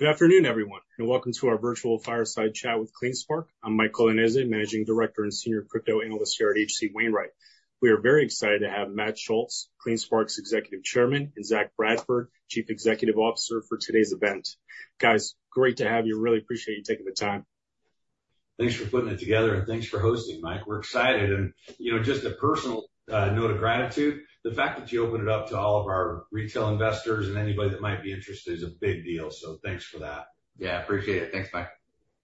Good afternoon, everyone, and welcome to our virtual fireside chat with CleanSpark. I'm Mike Colonnese, Managing Director and Senior Crypto Analyst here at H.C. Wainwright. We are very excited to have Matt Schultz, CleanSpark's Executive Chairman, and Zach Bradford, Chief Executive Officer for today's event. Guys, great to have you. Really appreciate you taking the time. Thanks for putting it together, and thanks for hosting, Mike. We're excited. And, you know, just a personal, note of gratitude: the fact that you opened it up to all of our retail investors and anybody that might be interested is a big deal, so thanks for that. Yeah, appreciate it. Thanks, Mike.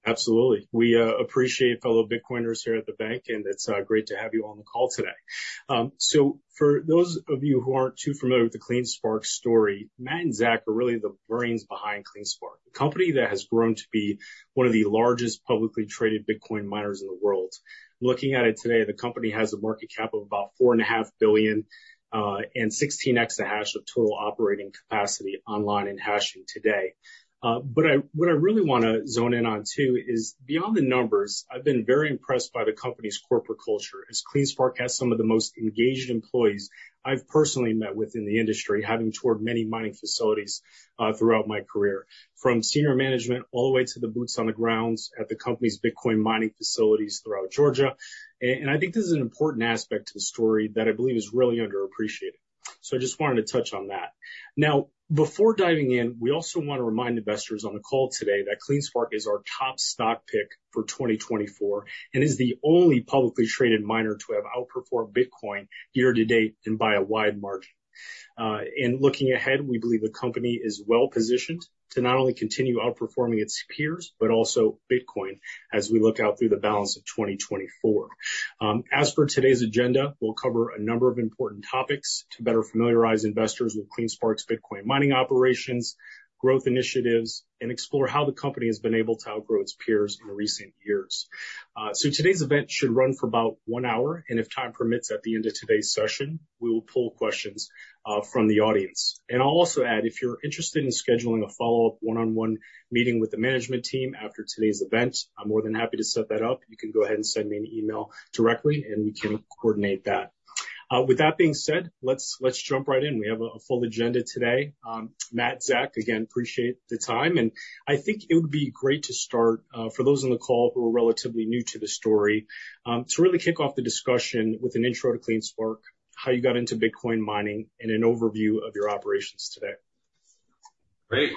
Absolutely. We appreciate fellow Bitcoiners here at the bank, and it's great to have you all on the call today. For those of you who aren't too familiar with the CleanSpark story, Matt and Zach are really the brains behind CleanSpark, a company that has grown to be one of the largest publicly traded Bitcoin miners in the world. Looking at it today, the company has a market cap of about $4.5 billion, and 16x the hash of total operating capacity online in hashing today. but what I really wanna zone in on too is, beyond the numbers, I've been very impressed by the company's corporate culture as CleanSpark has some of the most engaged employees I've personally met within the industry, having toured many mining facilities, throughout my career, from senior management all the way to the boots on the ground at the company's Bitcoin mining facilities throughout Georgia. And I think this is an important aspect to the story that I believe is really underappreciated, so I just wanted to touch on that. Now, before diving in, we also wanna remind investors on the call today that CleanSpark is our top stock pick for 2024 and is the only publicly traded miner to have outperformed Bitcoin year to date and by a wide margin. Looking ahead, we believe the company is well-positioned to not only continue outperforming its peers but also Bitcoin as we look out through the balance of 2024. As for today's agenda, we'll cover a number of important topics to better familiarize investors with CleanSpark's Bitcoin mining operations, growth initiatives, and explore how the company has been able to outgrow its peers in recent years. Today's event should run for about one hour, and if time permits at the end of today's session, we will pull questions from the audience. I'll also add, if you're interested in scheduling a follow-up one-on-one meeting with the management team after today's event, I'm more than happy to set that up. You can go ahead and send me an email directly, and we can coordinate that. With that being said, let's jump right in. We have a full agenda today. Matt, Zach, again, appreciate the time. I think it would be great to start, for those on the call who are relatively new to the story, to really kick off the discussion with an intro to CleanSpark, how you got into Bitcoin mining, and an overview of your operations today. Great.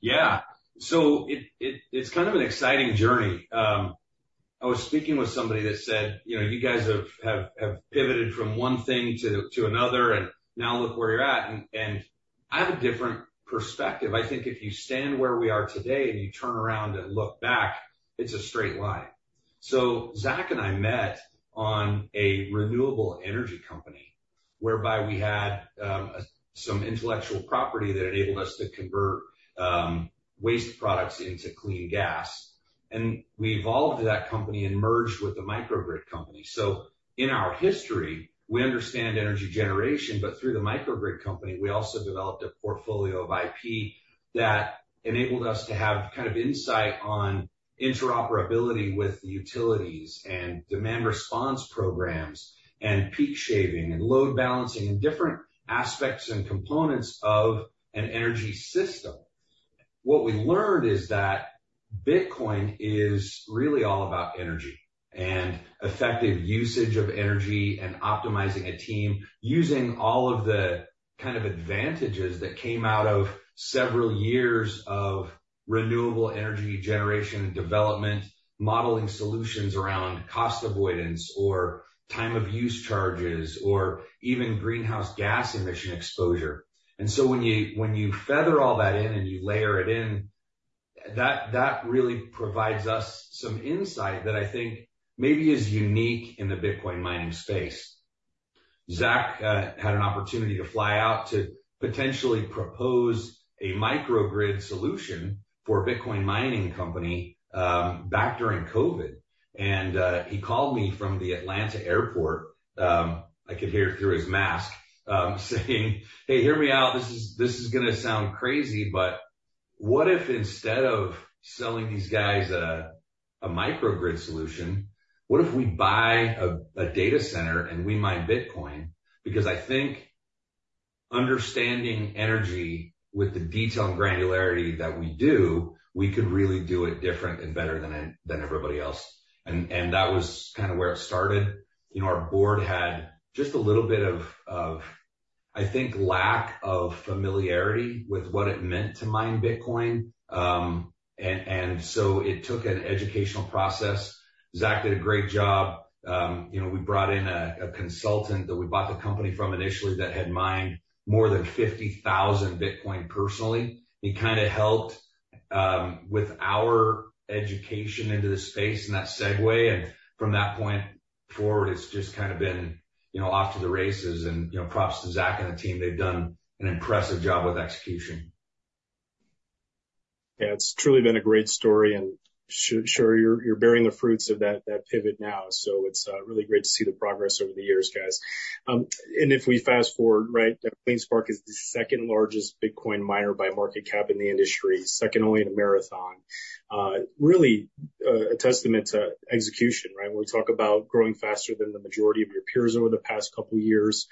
Yeah. So, it's kind of an exciting journey. I was speaking with somebody that said, "You know, you guys have pivoted from one thing to another, and now look where you're at." And I have a different perspective. I think if you stand where we are today and you turn around and look back; it's a straight line. So, Zach and I met on a renewable energy company whereby we had some intellectual property that enabled us to convert waste products into clean gas. And we evolved that company and merged with the microgrid company. So in our history, we understand energy generation, but through the microgrid company, we also developed a portfolio of IP that enabled us to have kind of insight on interoperability with the utilities and demand response programs and peak shaving and load balancing and different aspects and components of an energy system. What we learned is that Bitcoin is really all about energy and effective usage of energy and optimizing a team using all of the kind of advantages that came out of several years of renewable energy generation and development, modeling solutions around cost avoidance or time-of-use charges or even greenhouse gas emission exposure. And so, when you feather all that in and you layer it in, that really provides us some insight that I think maybe is unique in the Bitcoin mining space. Zach had an opportunity to fly out to potentially propose a microgrid solution for a Bitcoin mining company, back during COVID. He called me from the Atlanta airport. I could hear through his mask, saying, "Hey, hear me out. This is gonna sound crazy, but what if instead of selling these guys a microgrid solution, what if we buy a data center and we mine Bitcoin? Because I think understanding energy with the detail and granularity that we do, we could really do it different and better than everybody else." That was kind of where it started. You know, our board had just a little bit of, I think, lack of familiarity with what it meant to mine Bitcoin. So, it took an educational process. Zach did a great job. You know, we brought in a consultant that we bought the company from initially that had mined more than 50,000 Bitcoin personally. He kind of helped with our education into the space in that segue. And from that point forward, it's just kind of been, you know, off to the races. And, you know, props to Zach and the team. They've done an impressive job with execution. Yeah, it's truly been a great story. And sure sure, you're you're bearing the fruits of that that pivot now. So, it's, really great to see the progress over the years, guys. And if we fast forward, right, CleanSpark is the second-largest Bitcoin miner by market cap in the industry, second only to Marathon, really, a testament to execution, right? When we talk about growing faster than the majority of your peers over the past couple of years,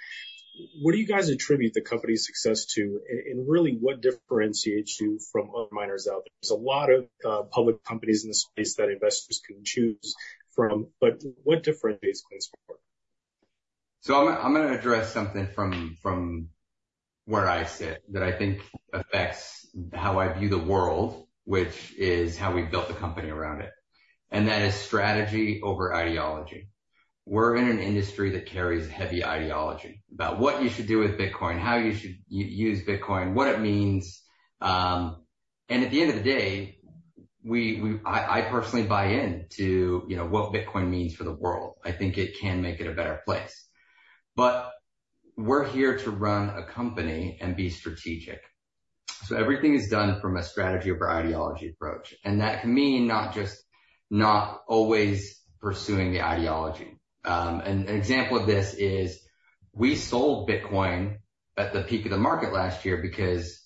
what do you guys attribute the company's success to? And and really, what differentiates you from other miners out there? There's a lot of, public companies in the space that investors can choose from, but what differentiates CleanSpark? So, I'm gonna address something from where I sit that I think affects how I view the world, which is how we built the company around it. And that is strategy over ideology. We're in an industry that carries heavy ideology about what you should do with Bitcoin, how you should use Bitcoin, what it means. And at the end of the day, I personally buy into, you know, what Bitcoin means for the world. I think it can make it a better place. But we're here to run a company and be strategic. So, everything is done from a strategy over ideology approach. And that can mean not always pursuing the ideology. An example of this is we sold Bitcoin at the peak of the market last year because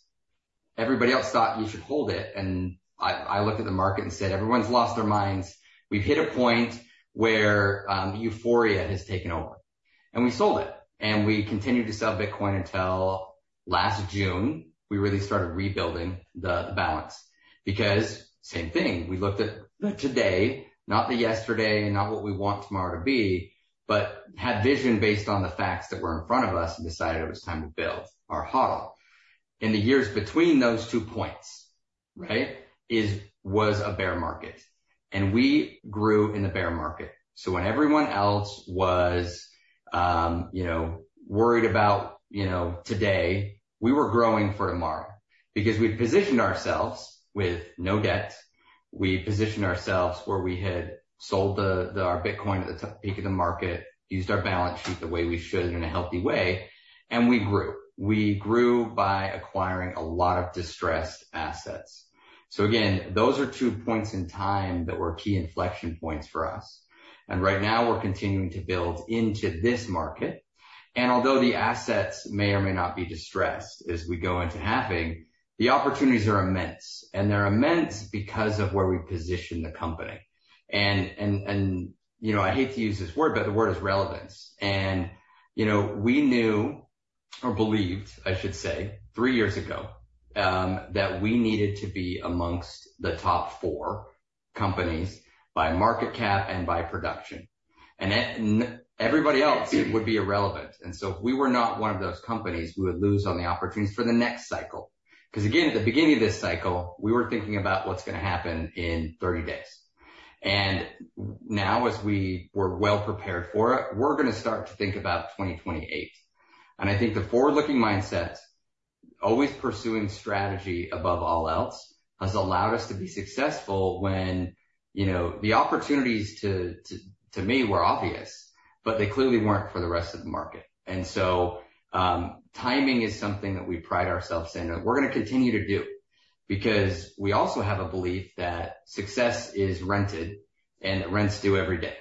everybody else thought, "You should hold it." And I looked at the market and said, "Everyone's lost their minds. We've hit a point where; euphoria has taken over." And we sold it. And we continued to sell Bitcoin until last June. We really started rebuilding the balance because same thing. We looked at today, not the yesterday, and not what we want tomorrow to be, but had vision based on the facts that were in front of us and decided it was time to build our HODL. And the years between those two points, right, was a bear market. And we grew in the bear market. So, when everyone else was, you know, worried about, you know, today, we were growing for tomorrow because we positioned ourselves with no debt. We positioned ourselves where we had sold the our Bitcoin at the peak of the market, used our balance sheet the way we should in a healthy way, and we grew. We grew by acquiring a lot of distressed assets. So again, those are two points in time that were key inflection points for us. And right now, we're continuing to build into this market. And although the assets may or may not be distressed as we go into Halving, the opportunities are immense. And they're immense because of where we position the company. And, you know, I hate to use this word, but the word is relevance. And, you know, we knew or believed, I should say, three years ago, that we needed to be amongst the top four companies by market cap and by production. And everybody else would be irrelevant. If we were not one of those companies, we would lose on the opportunities for the next cycle. Because again, at the beginning of this cycle, we were thinking about what's gonna happen in 30 days. And now, as we were well prepared for it, we're gonna start to think about 2028. And I think the forward-looking mindset, always pursuing strategy above all else, has allowed us to be successful when, you know, the opportunities to me were obvious, but they clearly weren't for the rest of the market. And so, timing is something that we pride ourselves in and we're gonna continue to do because we also have a belief that success is rented, and rent's due every day.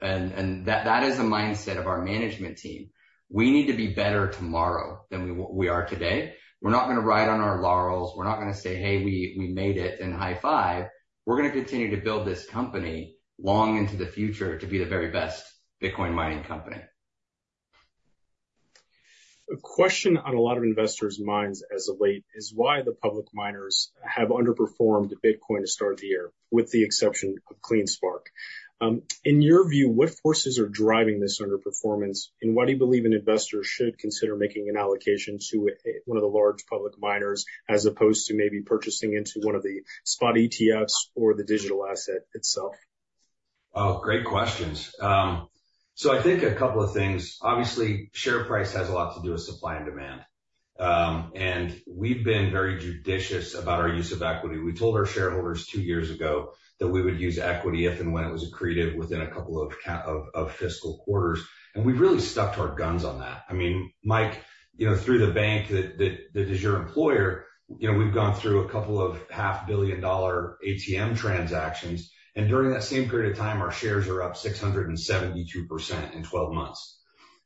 And that is a mindset of our management team. We need to be better tomorrow than we are today. We're not gonna ride on our laurels. We're not gonna say, "Hey, we made it," and high-five. We're gonna continue to build this company long into the future to be the very best Bitcoin mining company. A question on a lot of investors' minds as of late is why the public miners have underperformed Bitcoin to start the year, with the exception of CleanSpark. In your view, what forces are driving this underperformance, and why do you believe an investor should consider making an allocation to one of the large public miners as opposed to maybe purchasing into one of the spot ETFs or the digital asset itself? Oh, great questions. So, I think a couple of things. Obviously, share price has a lot to do with supply and demand. We've been very judicious about our use of equity. We told our shareholders two years ago that we would use equity if and when it was accretive within a couple of fiscal quarters. And we've really stuck to our guns on that. I mean, Mike, you know, through the bank that is your employer, you know, we've gone through a couple of $500 million ATM transactions. And during that same period of time, our shares are up 672% in 12 months.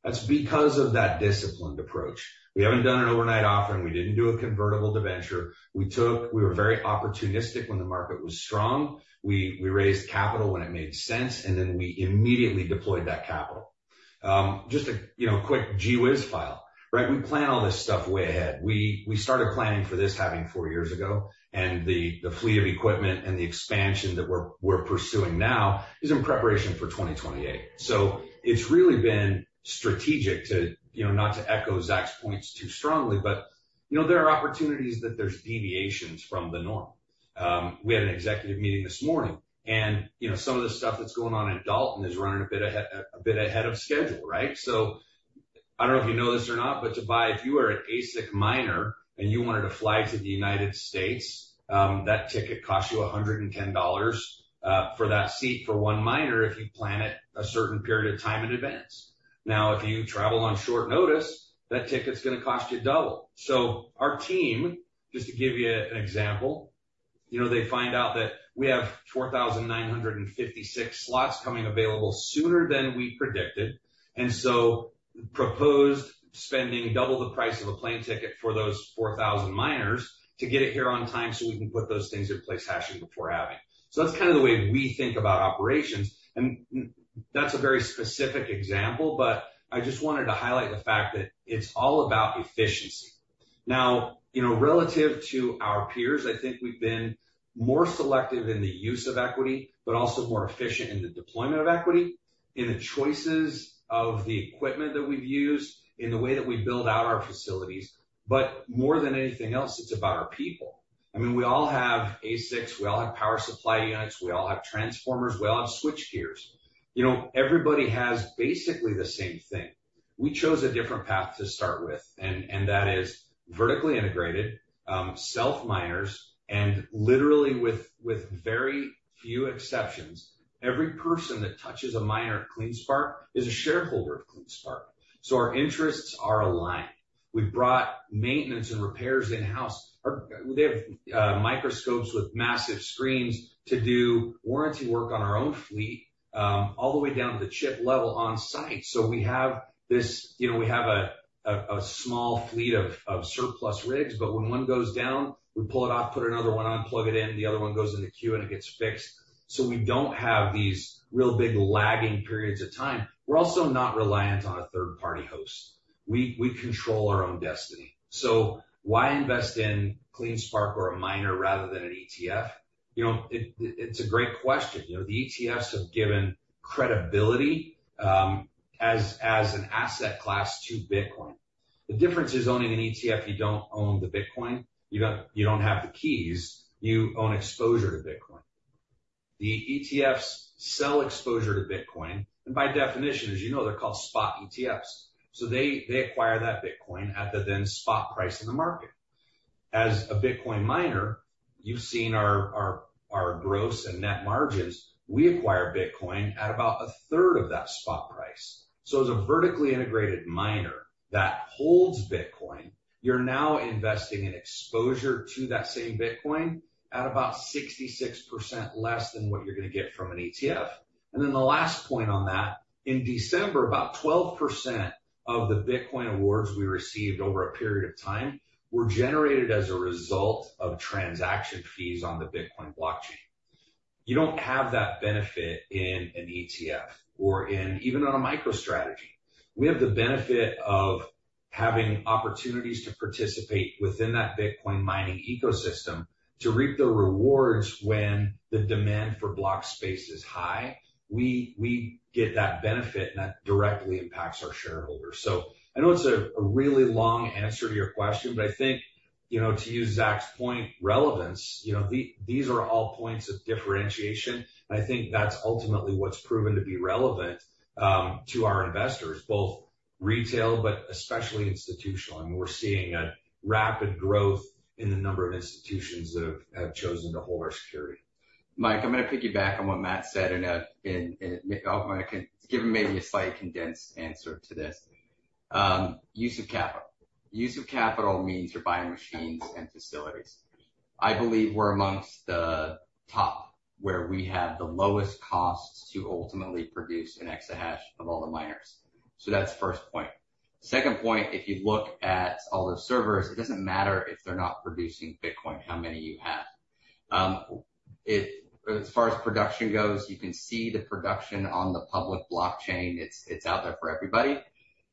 That's because of that disciplined approach. We haven't done an overnight offering. We didn't do a convertible to venture. We were very opportunistic when the market was strong. We raised capital when it made sense, and then we immediately deployed that capital. Just a, you know, quick gee-whiz file, right? We plan all this stuff way ahead. We started planning for this halving four years ago. And the fleet of equipment and the expansion that we're pursuing now is in preparation for 2028. So, it's really been strategic to, you know, not to echo Zach's points too strongly, but, you know, there are opportunities that there's deviations from the norm. We had an executive meeting this morning, and, you know, some of the stuff that's going on in Dalton is running a bit ahead of schedule, right? So, I don't know if you know this or not, but to fly if you were an ASIC miner and you wanted to fly to the United States, that ticket cost you $110, for that seat for one miner if you plan it a certain period of time in advance. Now, if you travel on short notice, that ticket's gonna cost you double. So, our team, just to give you an example, you know, they find out that we have 4,956 slots coming available sooner than we predicted. And so proposed spending doubles the price of a plane ticket for those 4,000 miners to get it here on time so we can put those things in place hashing before halving. So that's kind of the way we think about operations. And that's a very specific example, but I just wanted to highlight the fact that it's all about efficiency. Now, you know, relative to our peers, I think we've been more selective in the use of equity, but also more efficient in the deployment of equity, in the choices of the equipment that we've used, in the way that we build out our facilities. But more than anything else, it's about our people. I mean, we all have ASICs. We all have power supply units. We all have transformers. We all have switchgears. You know, everybody has basically the same thing. We chose a different path to start with. And that is vertically integrated, self-miners, and literally with very few exceptions, every person that touches a miner at CleanSpark is a shareholder of CleanSpark. So, our interests are aligned. We've brought maintenance and repairs in-house. They have microscopes with massive screens to do warranty work on our own fleet, all the way down to the chip level on site. So, we have this you know, we have a small fleet of surplus rigs, but when one goes down, we pull it off, put another one on, plug it in, the other one goes in the queue, and it gets fixed. So, we don't have these real big lagging periods of time. We're also not reliant on a third-party host. We control our own destiny. So, why invest in CleanSpark or a miner rather than an ETF? You know, it's a great question. You know, the ETFs have given credibility, as an asset class to Bitcoin. The difference is owning an ETF; you don't own the Bitcoin. You don't have the keys. You own exposure to Bitcoin. The ETFs sell exposure to Bitcoin. By definition, as you know, they're called spot ETFs. They acquire that Bitcoin at the then spot price in the market. As a Bitcoin miner, you've seen our gross and net margins; we acquire Bitcoin at about a third of that spot price. As a vertically integrated miner that holds Bitcoin, you're now investing in exposure to that same Bitcoin at about 66% less than what you're gonna get from an ETF. Then the last point on that, in December, about 12% of the Bitcoin rewards we received over a period of time were generated as a result of transaction fees on the Bitcoin blockchain. You don't have that benefit in an ETF or even on a MicroStrategy. We have the benefit of having opportunities to participate within that Bitcoin mining ecosystem to reap the rewards when the demand for block space is high. We get that benefit, and that directly impacts our shareholders. So, I know it's a really long answer to your question, but I think, you know, to use Zach's point, relevance, you know, these are all points of differentiation. And I think that's ultimately what's proven to be relevant to our investors, both retail but especially institutional. I mean, we're seeing a rapid growth in the number of institutions that have chosen to hold our security. Mike, I'm gonna piggyback on what Matt said. I'm gonna give him maybe a slightly condensed answer to this. Use of capital. Use of capital means you're buying machines and facilities. I believe we're among the top where we have the lowest costs to ultimately produce an exahash of all the miners. So, that's first point. Second point, if you look at all those servers, it doesn't matter if they're not producing Bitcoin, how many you have. It as far as production goes, you can see the production on the public blockchain. It's out there for everybody.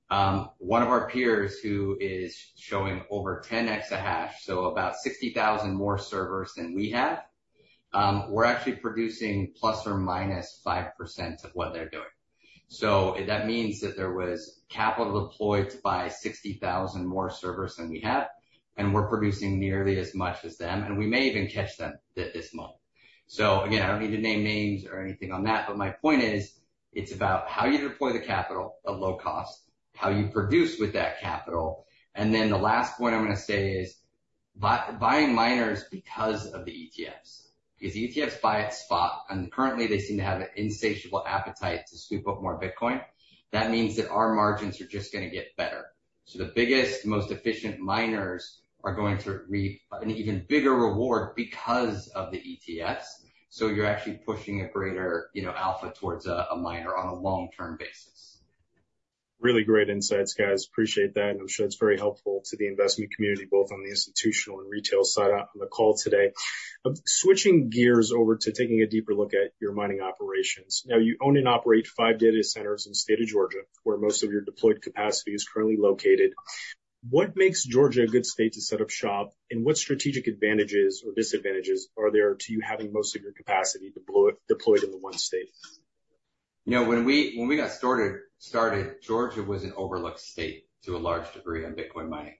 One of our peers who is showing over 10x a hash, so about 60,000 more servers than we have, we're actually producing ±5% of what they're doing. So that means that there was capital deployed to buy 60,000 more servers than we have, and we're producing nearly as much as them. And we may even catch them this month. So again, I don't need to name names or anything on that, but my point is it's about how you deploy the capital at low cost, how you produce with that capital. And then the last point I'm gonna say is buying miners because of the ETFs. Because the ETFs buy at spot, and currently, they seem to have an insatiable appetite to scoop up more Bitcoin. That means that our margins are just gonna get better. So, the biggest, most efficient miners are going to reap an even bigger reward because of the ETFs. So, you're actually pushing a greater, you know, alpha towards a miner on a long-term basis. Really great insights, guys. Appreciate that. I'm sure it's very helpful to the investment community, both on the institutional and retail side on the call today. Switching gears over to taking a deeper look at your mining operations. Now, you own and operate five data centers in the state of Georgia, where most of your deployed capacity is currently located. What makes Georgia a good state to set up shop, and what strategic advantages or disadvantages are there to you having most of your capacity deployed in the one state? You know, when we got started, Georgia was an overlooked state to a large degree on Bitcoin mining.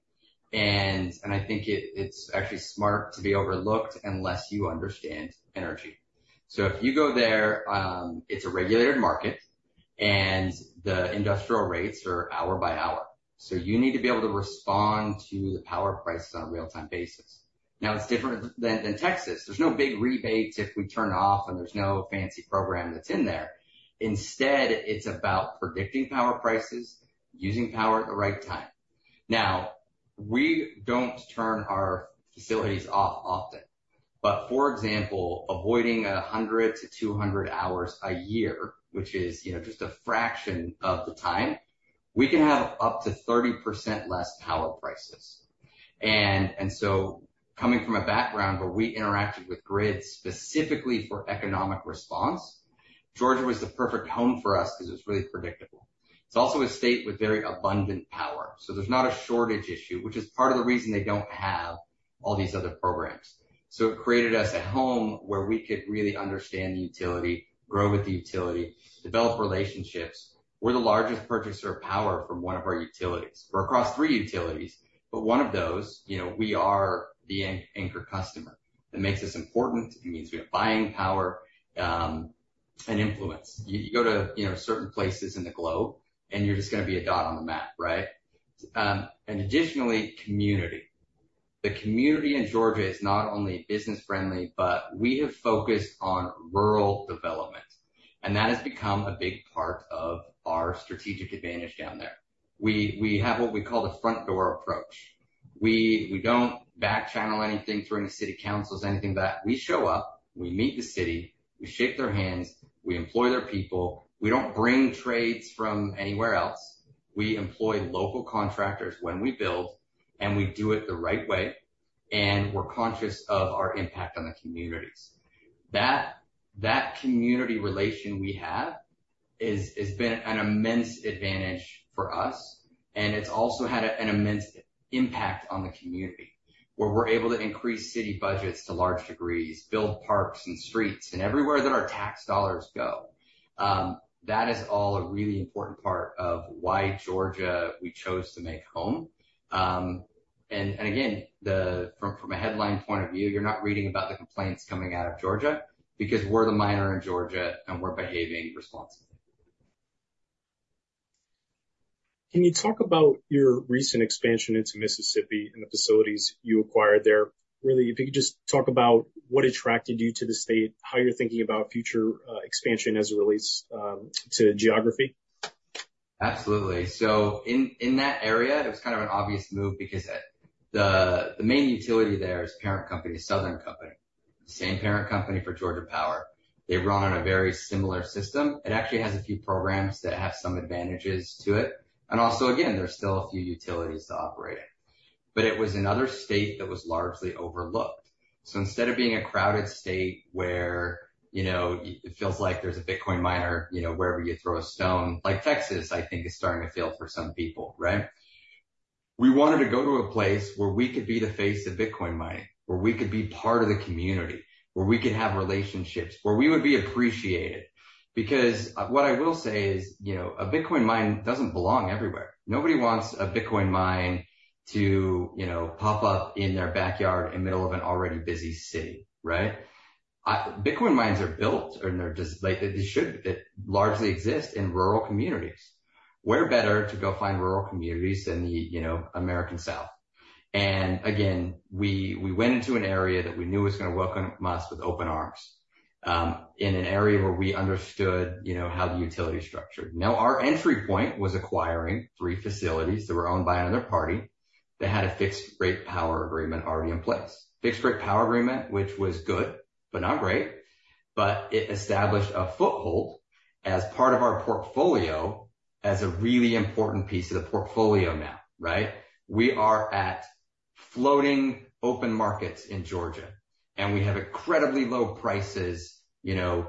And I think it's actually smart to be overlooked unless you understand energy. So, if you go there, it's a regulated market, and the industrial rates are hour by hour. So, you need to be able to respond to the power prices on a real-time basis. Now, it's different than Texas. There are no big rebates if we turn off, and there's no fancy program that's in there. Instead, it's about predicting power prices, using power at the right time. Now, we don't turn our facilities off often. But for example, avoiding 100-200 hours a year, which is, you know, just a fraction of the time, we can have up to 30% less power prices. And so, coming from a background where we interacted with grids specifically for economic response, Georgia was the perfect home for us because it was really predictable. It's also a state with very abundant power. So, there's not a shortage issue, which is part of the reason they don't have all these other programs. So, it created us a home where we could really understand the utility, grow with the utility, develop relationships. We're the largest purchaser of power from one of our utilities or across three utilities. But one of those, you know, we are the anchor customer. That makes us important. It means we are buying power, and influence. You go to, you know, certain places in the globe, and you're just gonna be a dot on the map, right? And additionally, community. The community in Georgia is not only business-friendly, but we have focused on rural development. That has become a big part of our strategic advantage down there. We have what we call the front-door approach. We don't backchannel anything through any city councils, anything that. We show up. We meet the city. We shake their hands. We employ their people. We don't bring trades from anywhere else. We employ local contractors when we build, and we do it the right way. We're conscious of our impact on the communities. That community relation we have has been an immense advantage for us, and it's also had an immense impact on the community, where we're able to increase city budgets to large degrees, build parks and streets, and everywhere that our tax dollars go. that is all a really important part of why Georgia we chose to make home. And again, from a headline point of view, you're not reading about the complaints coming out of Georgia because we're the miner in Georgia, and we're behaving responsibly. Can you talk about your recent expansion into Mississippi and the facilities you acquired there? Really, if you could just talk about what attracted you to the state, how you're thinking about future expansion as it relates to geography. Absolutely. So in that area, it was kind of an obvious move because the main utility there is parent company, Southern Company, the same parent company for Georgia Power. They run on a very similar system. It actually has a few programs that have some advantages to it. And also, again, there's still a few utilities to operate in. But it was another state that was largely overlooked. So instead of being a crowded state where, you know, it feels like there's a Bitcoin miner, you know, wherever you throw a stone, like Texas, I think, is starting to fail for some people, right? We wanted to go to a place where we could be the face of Bitcoin mining, where we could be part of the community, where we could have relationships, where we would be appreciated. Because what I will say is, you know, a Bitcoin mine doesn't belong everywhere. Nobody wants a Bitcoin mine to, you know, pop up in their backyard in the middle of an already busy city, right? Ideally, Bitcoin mines are built, and they're just like they should largely exist in rural communities. Where better to go find rural communities than the, you know, American South? And again, we went into an area that we knew was gonna welcome us with open arms, in an area where we understood, you know, how the utility structured. Now, our entry point was acquiring three facilities that were owned by another party that had a fixed-rate power agreement already in place, fixed-rate power agreement, which was good but not great. But it established a foothold as part of our portfolio as a really important piece of the portfolio now, right? We are at floating open markets in Georgia, and we have incredibly low prices, you know,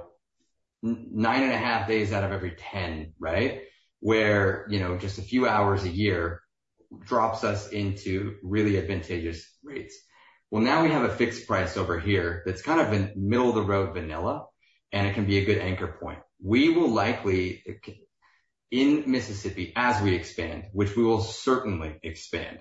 9.5 days out of every 10, right, where, you know, just a few hours a year drops us into really advantageous rates. Well, now we have a fixed price over here that's kind of in the middle of the road, vanilla, and it can be a good anchor point. We will likely in Mississippi, as we expand, which we will certainly expand,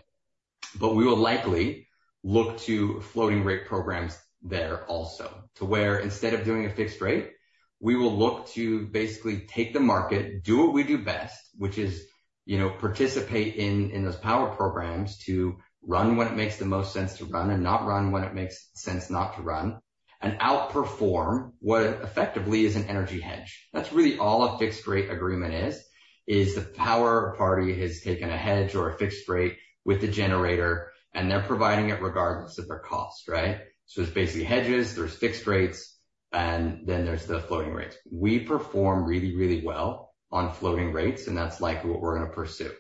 but we will likely look to floating-rate programs there also to where instead of doing a fixed rate, we will look to basically take the market, do what we do best, which is, you know, participate in those power programs to run when it makes the most sense to run and not run when it makes sense not to run and outperform what effectively is an energy hedge. That's really all a fixed-rate agreement is, is the power party has taken a hedge or a fixed rate with the generator, and they're providing it regardless of their cost, right? So, there's basically hedges. There's fixed rates. And then there's the floating rates. We perform really, really well on floating rates, and that's like what we're gonna pursue.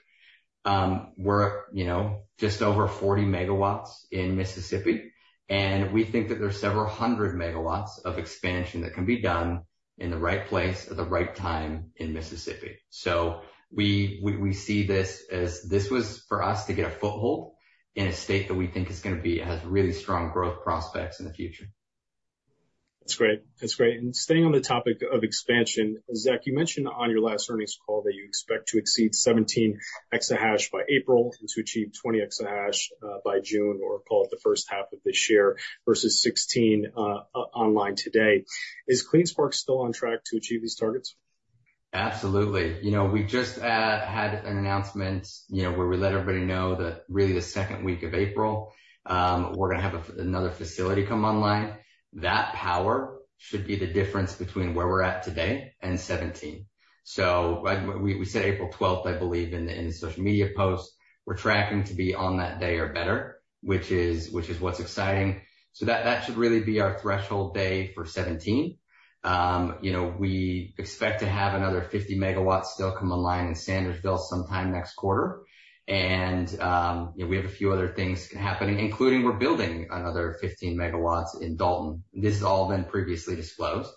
We're, you know, just over 40 megawatts in Mississippi, and we think that there's several hundred megawatts of expansion that can be done in the right place at the right time in Mississippi. So, we see this as this was for us to get a foothold in a state that we think is gonna be it has really strong growth prospects in the future. That's great. That's great. And staying on the topic of expansion, Zach, you mentioned on your last earnings call that you expect to exceed 17x a hash by April and to achieve 20x a hash, by June or call it the first half of this year versus 16, online today. Is CleanSpark still on track to achieve these targets? Absolutely. You know, we just had an announcement, you know, where we let everybody know that really the second week of April, we're gonna have another facility come online. That power should be the difference between where we're at today and 17. So, we said April 12th, I believe, in the social media post. We're tracking to be on that day or better, which is what's exciting. So, that should really be our threshold day for 17. You know, we expect to have another 50 megawatts still come online in Sandersville sometime next quarter. And, you know, we have a few other things happening, including we're building another 15 megawatts in Dalton. This has all been previously disclosed.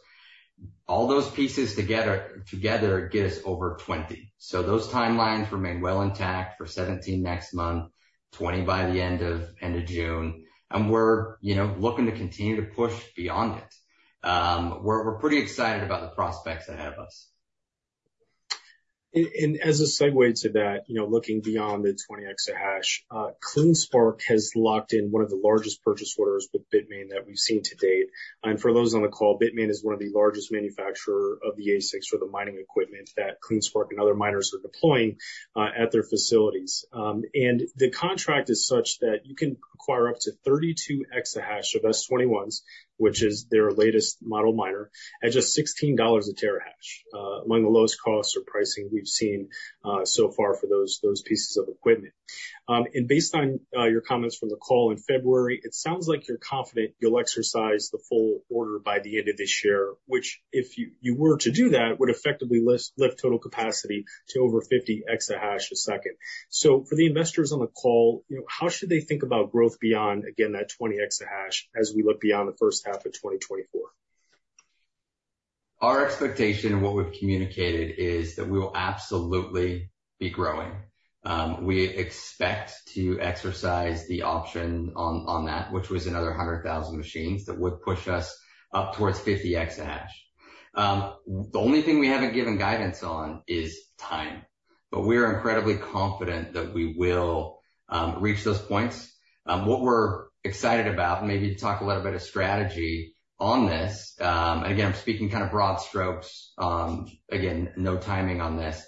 All those pieces together get us over 20. So, those timelines remain well intact for 17 next month, 20 by the end of June. And we're, you know, looking to continue to push beyond it. We're pretty excited about the prospects ahead of us. As a segue to that, you know, looking beyond the 20 exahash, CleanSpark has locked in one of the largest purchase orders with Bitmain that we've seen to date. And for those on the call, Bitmain is one of the largest manufacturers of the ASICs for the mining equipment that CleanSpark and other miners are deploying, at their facilities. And the contract is such that you can acquire up to 32 exahash of S21s, which is their latest model miner, at just $16 a terahash, among the lowest costs or pricing we've seen so far for those pieces of equipment. Based on your comments from the call in February, it sounds like you're confident you'll exercise the full order by the end of this year, which, if you were to do that, would effectively lift total capacity to over 50 exahash per second. So, for the investors on the call, you know, how should they think about growth beyond again that 20 exahash as we look beyond the first half of 2024? Our expectation and what we've communicated is that we will absolutely be growing. We expect to exercise the option on that, which was another 100,000 machines that would push us up towards 50 exahash. The only thing we haven't given guidance on is time. But we are incredibly confident that we will reach those points. What we're excited about and maybe to talk a little bit of strategy on this, and again, I'm speaking kind of broad strokes, again, no timing on this.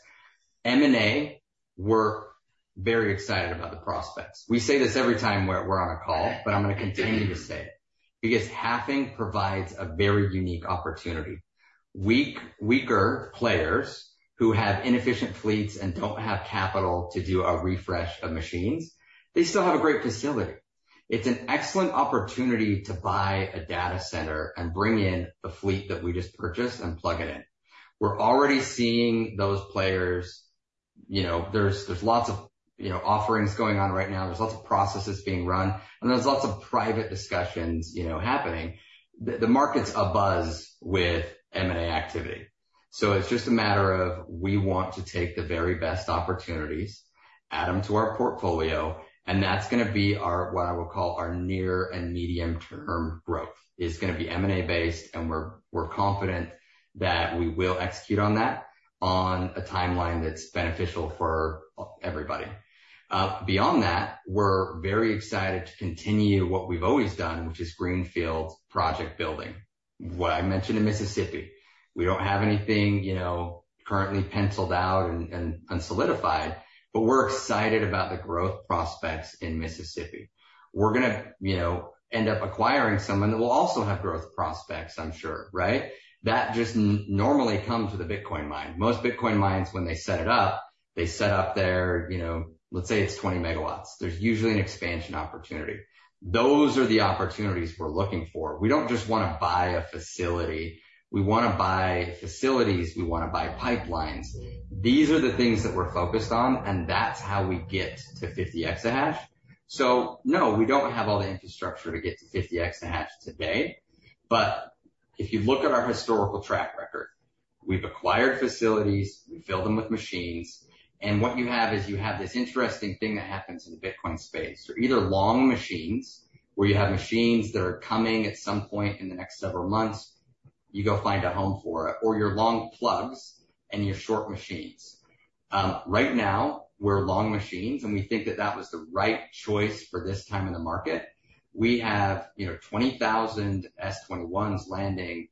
M&A, we're very excited about the prospects. We say this every time we're on a call, but I'm gonna continue to say it because halving provides a very unique opportunity. Weaker players who have inefficient fleets and don't have capital to do a refresh of machines, they still have a great facility. It's an excellent opportunity to buy a data center and bring in the fleet that we just purchased and plug it in. We're already seeing those players. You know, there's lots of, you know, offerings going on right now. There's lots of processes being run. And there's lots of private discussions, you know, happening. The market's abuzz with M&A activity. So, it's just a matter of we want to take the very best opportunities, add them to our portfolio, and that's gonna be our what I will call our near and medium-term growth is gonna be M&A-based, and we're confident that we will execute on that on a timeline that's beneficial for everybody. Beyond that, we're very excited to continue what we've always done, which is Greenfield project building. What I mentioned in Mississippi, we don't have anything, you know, currently penciled out and unsolidified, but we're excited about the growth prospects in Mississippi. We're gonna, you know, end up acquiring someone that will also have growth prospects, I'm sure, right? That just normally comes with a Bitcoin mine. Most Bitcoin mines, when they set it up, they set up there, you know, let's say it's 20 MW. There's usually an expansion opportunity. Those are the opportunities we're looking for. We don't just wanna buy a facility. We wanna buy facilities. We wanna buy pipelines. These are the things that we're focused on, and that's how we get to 50x a hash. So no, we don't have all the infrastructure to get to 50x a hash today. But if you look at our historical track record, we've acquired facilities. We fill them with machines. What you have is you have this interesting thing that happens in the Bitcoin space. They're either long machines where you have machines that are coming at some point in the next several months. You go find a home for it, or you're long plugs and you're short machines. Right now, we're long machines, and we think that that was the right choice for this time in the market. We have, you know, 20,000 S21s landing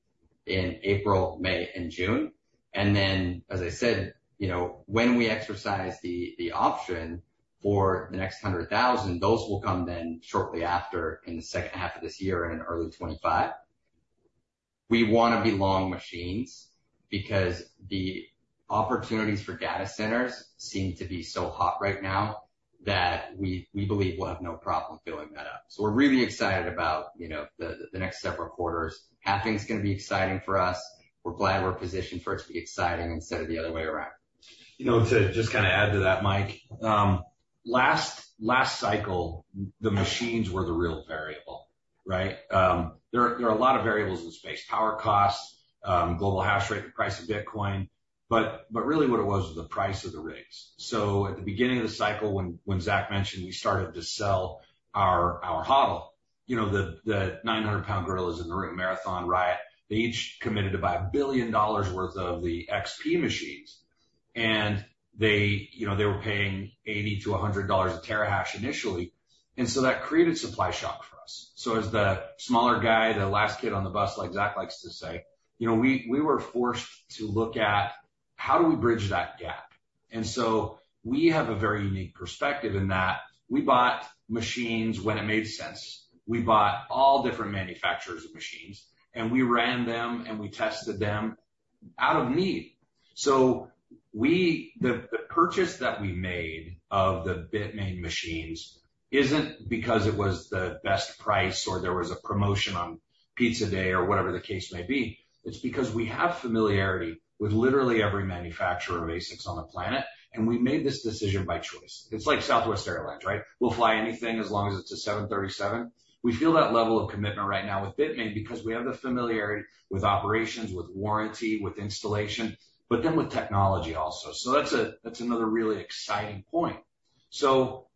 in April, May, and June. And then, as I said, you know, when we exercise the option for the next 100,000, those will come then shortly after in the second half of this year and early 2025. We wanna be long machines because the opportunities for data centers seem to be so hot right now that we believe we'll have no problem filling that up. So, we're really excited about, you know, the next several quarters. Halving's gonna be exciting for us. We're glad we're positioned for it to be exciting instead of the other way around. You know, to just kind of add to that, Mike, last cycle, the machines were the real variable, right? There are a lot of variables in space, power costs, global hash rate, the price of Bitcoin, but really what it was was the price of the rigs. So, at the beginning of the cycle, when Zach mentioned we started to sell our HODL, you know, the 900-pound gorillas in the room, Marathon, Riot, they each committed to buy $1 billion worth of the XP machines. And they, you know, they were paying $80-$100 a terahash initially. And so that created supply shock for us. So, as the smaller guy, the last kid on the bus, like Zach likes to say, you know, we were forced to look at how do we bridge that gap? And so we have a very unique perspective in that we bought machines when it made sense. We bought all different manufacturers of machines, and we ran them, and we tested them out of need. So, the purchase that we made of the Bitmain machines isn't because it was the best price or there was a promotion on Pizza Day or whatever the case may be. It's because we have familiarity with literally every manufacturer of ASICs on the planet, and we made this decision by choice. It's like Southwest Airlines, right? We'll fly anything as long as it's a 737. We feel that level of commitment right now with Bitmain because we have the familiarity with operations, with warranty, with installation, but then with technology also. So, that's another really exciting point. So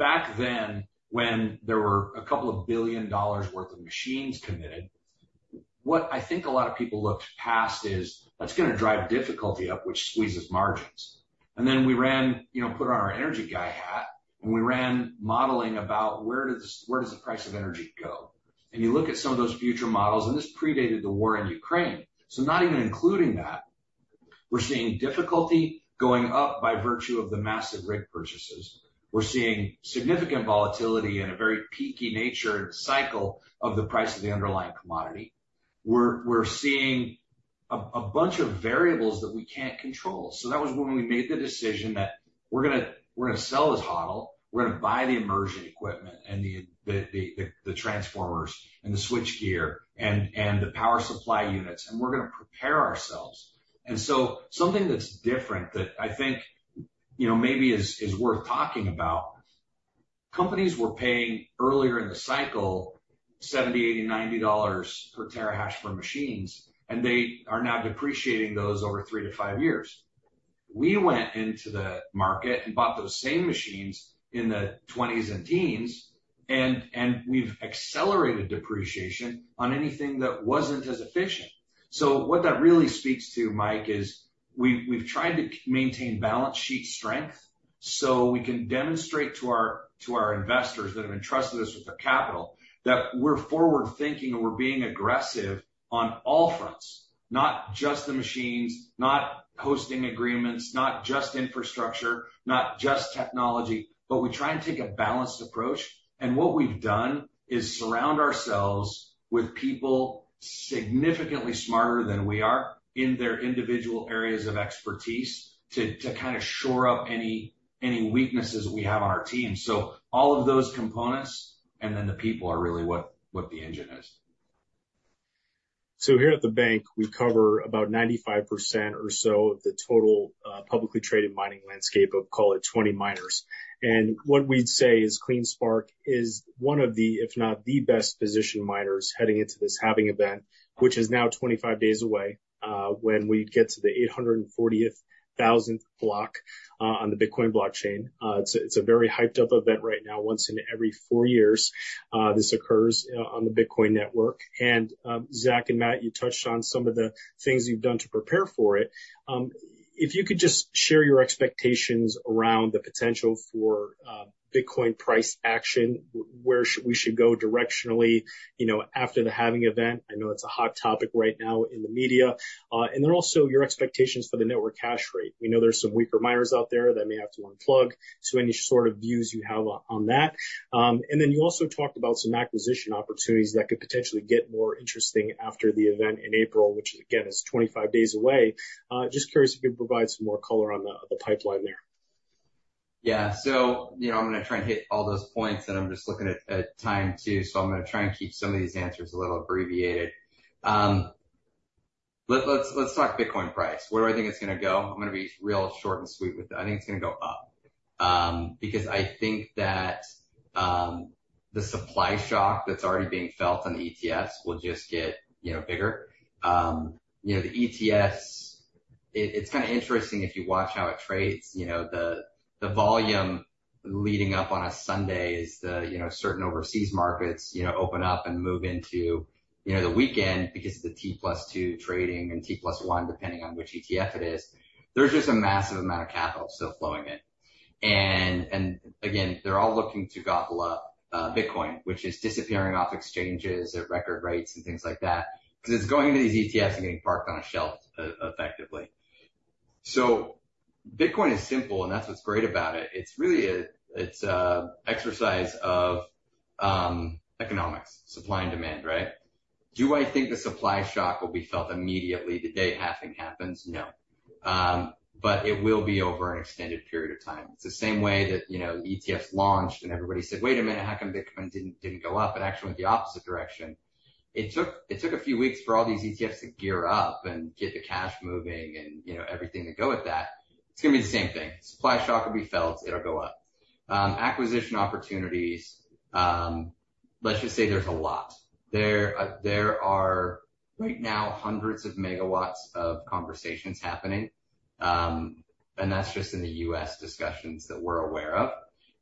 back then, when there were $2 billion worth of machines committed, what I think a lot of people looked past is that's gonna drive difficulty up, which squeezes margins. And then we ran, you know, put on our energy guy hat, and we ran modeling about where the price of energy goes. And you look at some of those future models, and this predated the war in Ukraine. So, not even including that, we're seeing difficulty going up by virtue of the massive rig purchases. We're seeing significant volatility and a very peaky nature in the cycle of the price of the underlying commodity. We're seeing a bunch of variables that we can't control. So, that was when we made the decision that we're gonna sell this HODL. We're gonna buy the immersion equipment and the transformers and the switchgear and the power supply units, and we're gonna prepare ourselves. And so something that's different that I think, you know, maybe is worth talking about. Companies were paying earlier in the cycle $70, $80, $90 per terahash for machines, and they are now depreciating those over 3-5 years. We went into the market and bought those same machines in the $20s and $10s, and we've accelerated depreciation on anything that wasn't as efficient. So, what that really speaks to, Mike, is we've tried to maintain balance sheet strength so we can demonstrate to our investors that have entrusted us with their capital that we're forward-thinking and we're being aggressive on all fronts, not just the machines, not hosting agreements, not just infrastructure, not just technology, but we try and take a balanced approach. What we've done is surround ourselves with people significantly smarter than we are in their individual areas of expertise to kind of shore up any weaknesses that we have on our team. So, all of those components and then the people are really what the engine is. So here at the bank, we cover about 95% or so of the total, publicly traded mining landscape of, call it, 20 miners. And what we'd say is CleanSpark is one of the, if not the best positioned miners heading into this halving event, which is now 25 days away, when we get to the 840,000th block, on the Bitcoin blockchain. It's a very hyped-up event right now. Once every four years, this occurs, on the Bitcoin network. And, Zach and Matt, you touched on some of the things you've done to prepare for it. If you could just share your expectations around the potential for, Bitcoin price action, where we should go directionally, you know, after the halving event. I know it's a hot topic right now in the media. And then also your expectations for the network hash rate. We know there's some weaker miners out there that may have to unplug, so any sort of views you have on that, and then you also talked about some acquisition opportunities that could potentially get more interesting after the event in April, which, again, is 25 days away. Just curious if you could provide some more color on the pipeline there. Yeah. So, you know, I'm gonna try and hit all those points, and I'm just looking at the time too. So, I'm gonna try and keep some of these answers a little abbreviated. Let's talk Bitcoin price. Where do I think it's gonna go? I'm gonna be really short and sweet with it. I think it's gonna go up because I think that the supply shock that's already being felt on the ETFs will just get, you know, bigger. You know, the ETFs, it's kind of interesting if you watch how it trades. You know, the volume leading up on a Sunday is the, you know, certain overseas markets, you know, open up and move into, you know, the weekend because of the T+2 trading and T+1, depending on which ETF it is. There's just a massive amount of capital still flowing in. And again, they're all looking to gobble up Bitcoin, which is disappearing off exchanges at record rates and things like that because it's going to these ETFs and getting parked on a shelf, effectively. So Bitcoin is simple, and that's what's great about it. It's really a exercise of economics, supply and demand, right? Do I think the supply shock will be felt immediately the day halving happens? No, but it will be over an extended period of time. It's the same way that, you know, the ETFs launched and everybody said, "Wait a minute. How come Bitcoin didn't go up?" It actually went the opposite direction. It took a few weeks for all these ETFs to gear up and get the cash moving and, you know, everything to go with that. It's gonna be the same thing. Supply shock will be felt. It'll go up. Acquisition opportunities, let's just say there's a lot. There are right now hundreds of megawatts of conversations happening, and that's just in the U.S. discussions that we're aware of.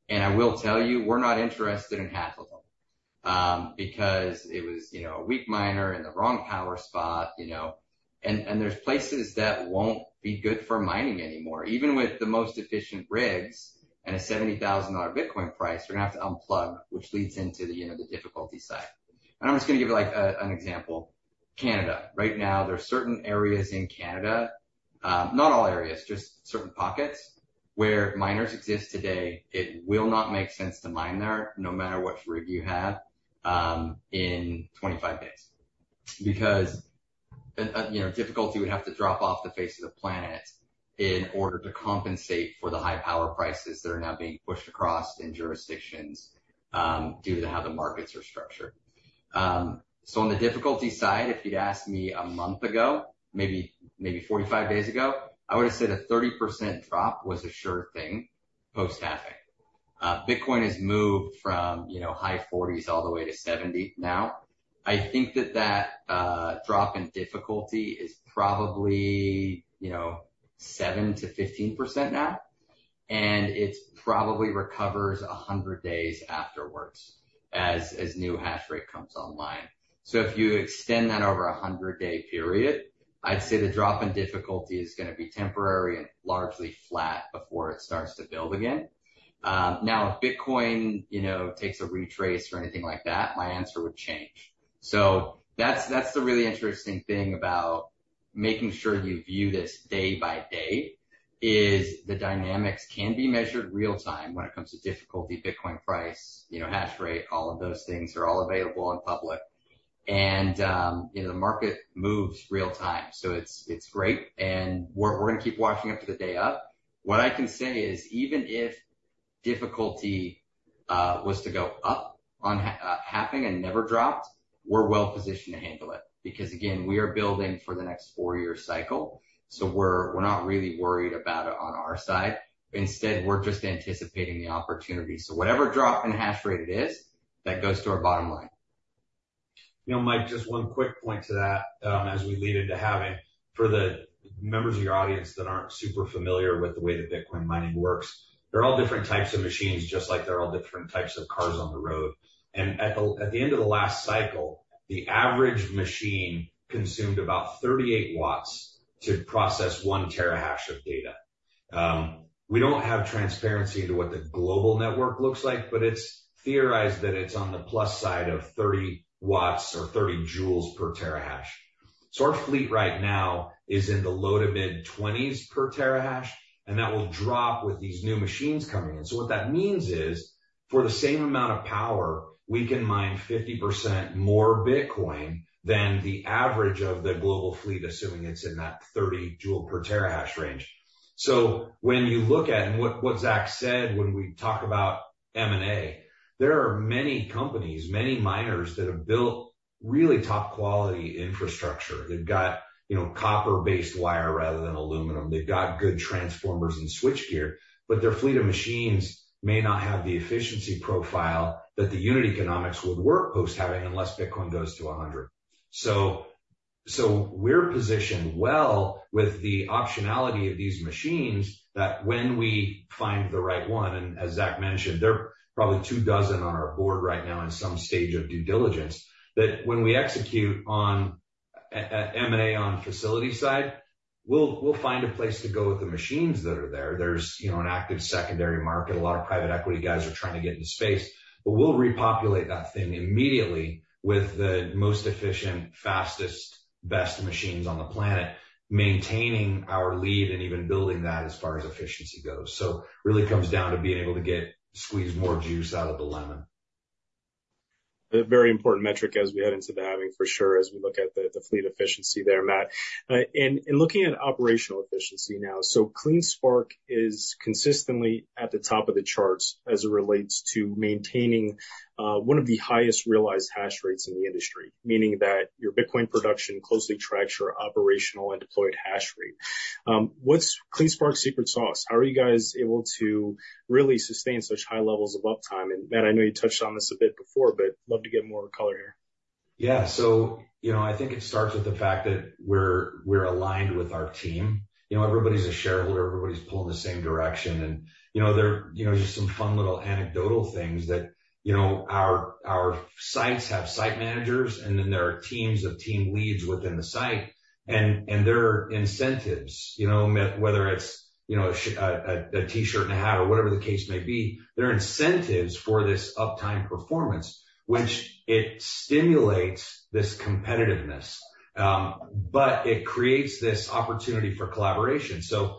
And I will tell you, we're not interested in HATL because it was, you know, a weak miner in the wrong power spot, you know. And there's places that won't be good for mining anymore, even with the most efficient rigs and a $70,000 Bitcoin price. We're gonna have to unplug, which leads into the, you know, the difficulty side. And I'm just gonna give you, like, an example. Canada. Right now, there are certain areas in Canada, not all areas, just certain pockets where miners exist today. It will not make sense to mine there, no matter what rig you have, in 25 days because, you know, difficulty would have to drop off the face of the planet in order to compensate for the high-power prices that are now being pushed across in jurisdictions, due to how the markets are structured. So, on the difficulty side, if you'd asked me a month ago, maybe 45 days ago, I would have said a 30% drop was a sure thing post-halving. Bitcoin has moved from, you know, high 40s all the way to 70 now. I think that drop in difficulty is probably, you know, 7%-15% now. And it probably recovers 100 days afterwards as new hash rate comes online. So, if you extend that over a 100-day period, I'd say the drop in difficulty is gonna be temporary and largely flat before it starts to build again. Now, if Bitcoin, you know, takes a retrace or anything like that, my answer would change. So that's that's the really interesting thing about making sure you view this day by day is the dynamics can be measured real-time when it comes to difficulty, Bitcoin price, you know, hash rate, all of those things are all available in public. And, you know, the market moves real-time. So, it's it's great. And we're we're gonna keep watching up to the day up. What I can say is even if difficulty was to go up on halving and never dropped, we're well-positioned to handle it because, again, we are building for the next four-year cycle. So, we're not really worried about it on our side. Instead, we're just anticipating the opportunity. So, whatever drop-in hash rate it is, that goes to our bottom line. You know, Mike, just one quick point to that, as we lead into halving. For the members of your audience that aren't super familiar with the way that Bitcoin mining works, there are all different types of machines, just like there are all different types of cars on the road. And at the end of the last cycle, the average machine consumed about 38 watts to process one terahash of data. We don't have transparency into what the global network looks like, but it's theorized that it's on the plus side of 30 watts or 30 joules per terahash. So, our fleet right now is in the low to mid-20s per terahash, and that will drop with these new machines coming in. So, what that means is for the same amount of power, we can mine 50% more Bitcoin than the average of the global fleet, assuming it's in that 30 J/TH range. So, when you look at what Zach said when we talk about M&A, there are many companies, many miners that have built really top-quality infrastructure. They've got, you know, copper-based wire rather than aluminum. They've got good transformers and switchgear, but their fleet of machines may not have the efficiency profile that the unit economics would work post-halving unless Bitcoin goes to $100. So, we're positioned well with the optionality of these machines that when we find the right one, and as Zach mentioned, there are probably two dozen on our board right now in some stage of due diligence that when we execute on M&A on facility side, we'll find a place to go with the machines that are there. There's, you know, an active secondary market. A lot of private equity guys are trying to get in the space, but we'll repopulate that thing immediately with the most efficient, fastest, best machines on the planet, maintaining our lead and even building that as far as efficiency goes. So, it really comes down to being able to get squeeze more juice out of the lemon. A very important metric as we head into the halving, for sure, as we look at the fleet efficiency there, Matt. Looking at operational efficiency now, so CleanSpark is consistently at the top of the charts as it relates to maintaining one of the highest realized hash rates in the industry, meaning that your Bitcoin production closely tracks your operational and deployed hash rate. What's CleanSpark's secret sauce? How are you guys able to really sustain such high levels of uptime? Matt, I know you touched on this a bit before but love to get more color here. Yeah. So, you know, I think it starts with the fact that we're aligned with our team. You know, everybody's a shareholder. Everybody's pulling the same direction. And, you know, there you know, just some fun little anecdotal things that, you know, our sites have site managers, and then there are teams of team leads within the site. And there are incentives, you know, whether it's, you know, a T-shirt and a hat or whatever the case may be, there are incentives for this uptime performance, which it stimulates this competitiveness. But it creates this opportunity for collaboration. So,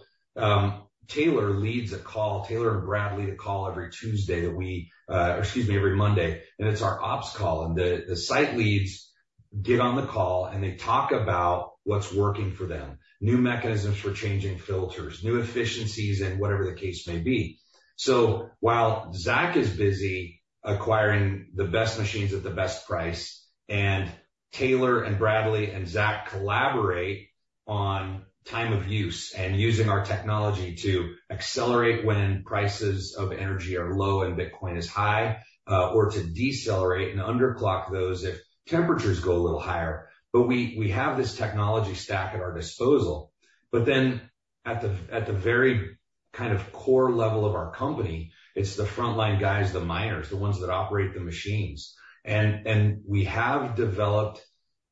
Taylor leads a call. Taylor and Brad lead a call every Tuesday that we, or excuse me, every Monday. And it's our ops call. And the site leads get on the call, and they talk about what's working for them, new mechanisms for changing filters, new efficiencies, and whatever the case may be. So while Zach is busy acquiring the best machines at the best price, and Taylor and Brad and Zach collaborate on time of use and using our technology to accelerate when prices of energy are low and Bitcoin is high, or to decelerate and underclock those if temperatures go a little higher. But we have this technology stack at our disposal. But then at the very kind of core level of our company, it's the frontline guys, the miners, the ones that operate the machines. And we have developed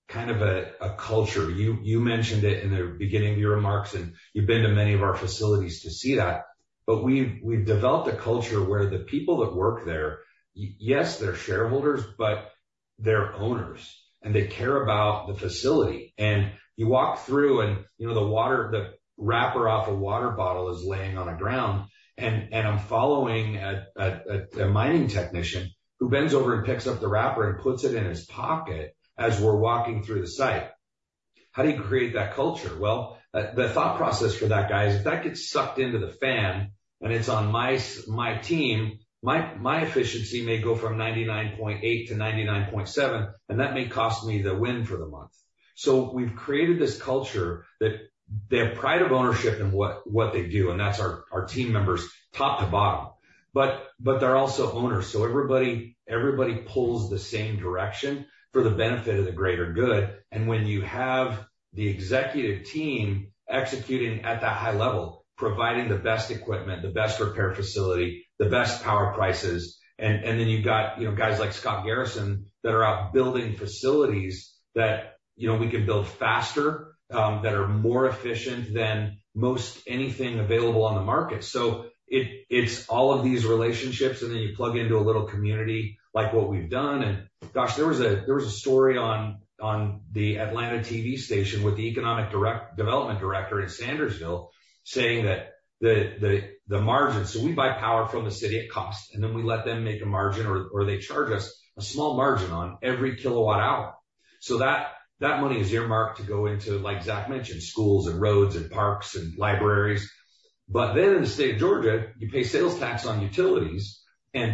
kind of a culture. You mentioned it in the beginning of your remarks, and you've been to many of our facilities to see that. But we've developed a culture where the people that work there, yes, they're shareholders, but they're owners, and they care about the facility. And you walk through, and, you know, the wrapper off a water bottle is laying on the ground. And I'm following a mining technician who bends over and picks up the wrapper and puts it in his pocket as we're walking through the site. How do you create that culture? Well, the thought process for that guy is if that gets sucked into the fan and it's on my team, my efficiency may go from 99.8%-99.7%, and that may cost me the win for the month. So, we've created this culture that they have pride of ownership in what they do. And that's our team members, top to bottom. But they're also owners. So, everybody pulls the same direction for the benefit of the greater good. And when you have the executive team executing at that high level, providing the best equipment, the best repair facility, the best power prices, and then you've got, you know, guys like Scott Garrison that are out building facilities that, you know, we can build faster, that are more efficient than most anything available on the market. So, it's all of these relationships. And then you plug into a little community like what we've done. And gosh, there was a story on the Atlanta TV station with the economic development director in Sandersville saying that the margin, so we buy power from the city at cost, and then we let them make a margin or they charge us a small margin on every kilowatt hour. So, that that money is earmarked to go into, like Zach mentioned, schools and roads and parks and libraries. But then in the state of Georgia, you pay sales tax on utilities. And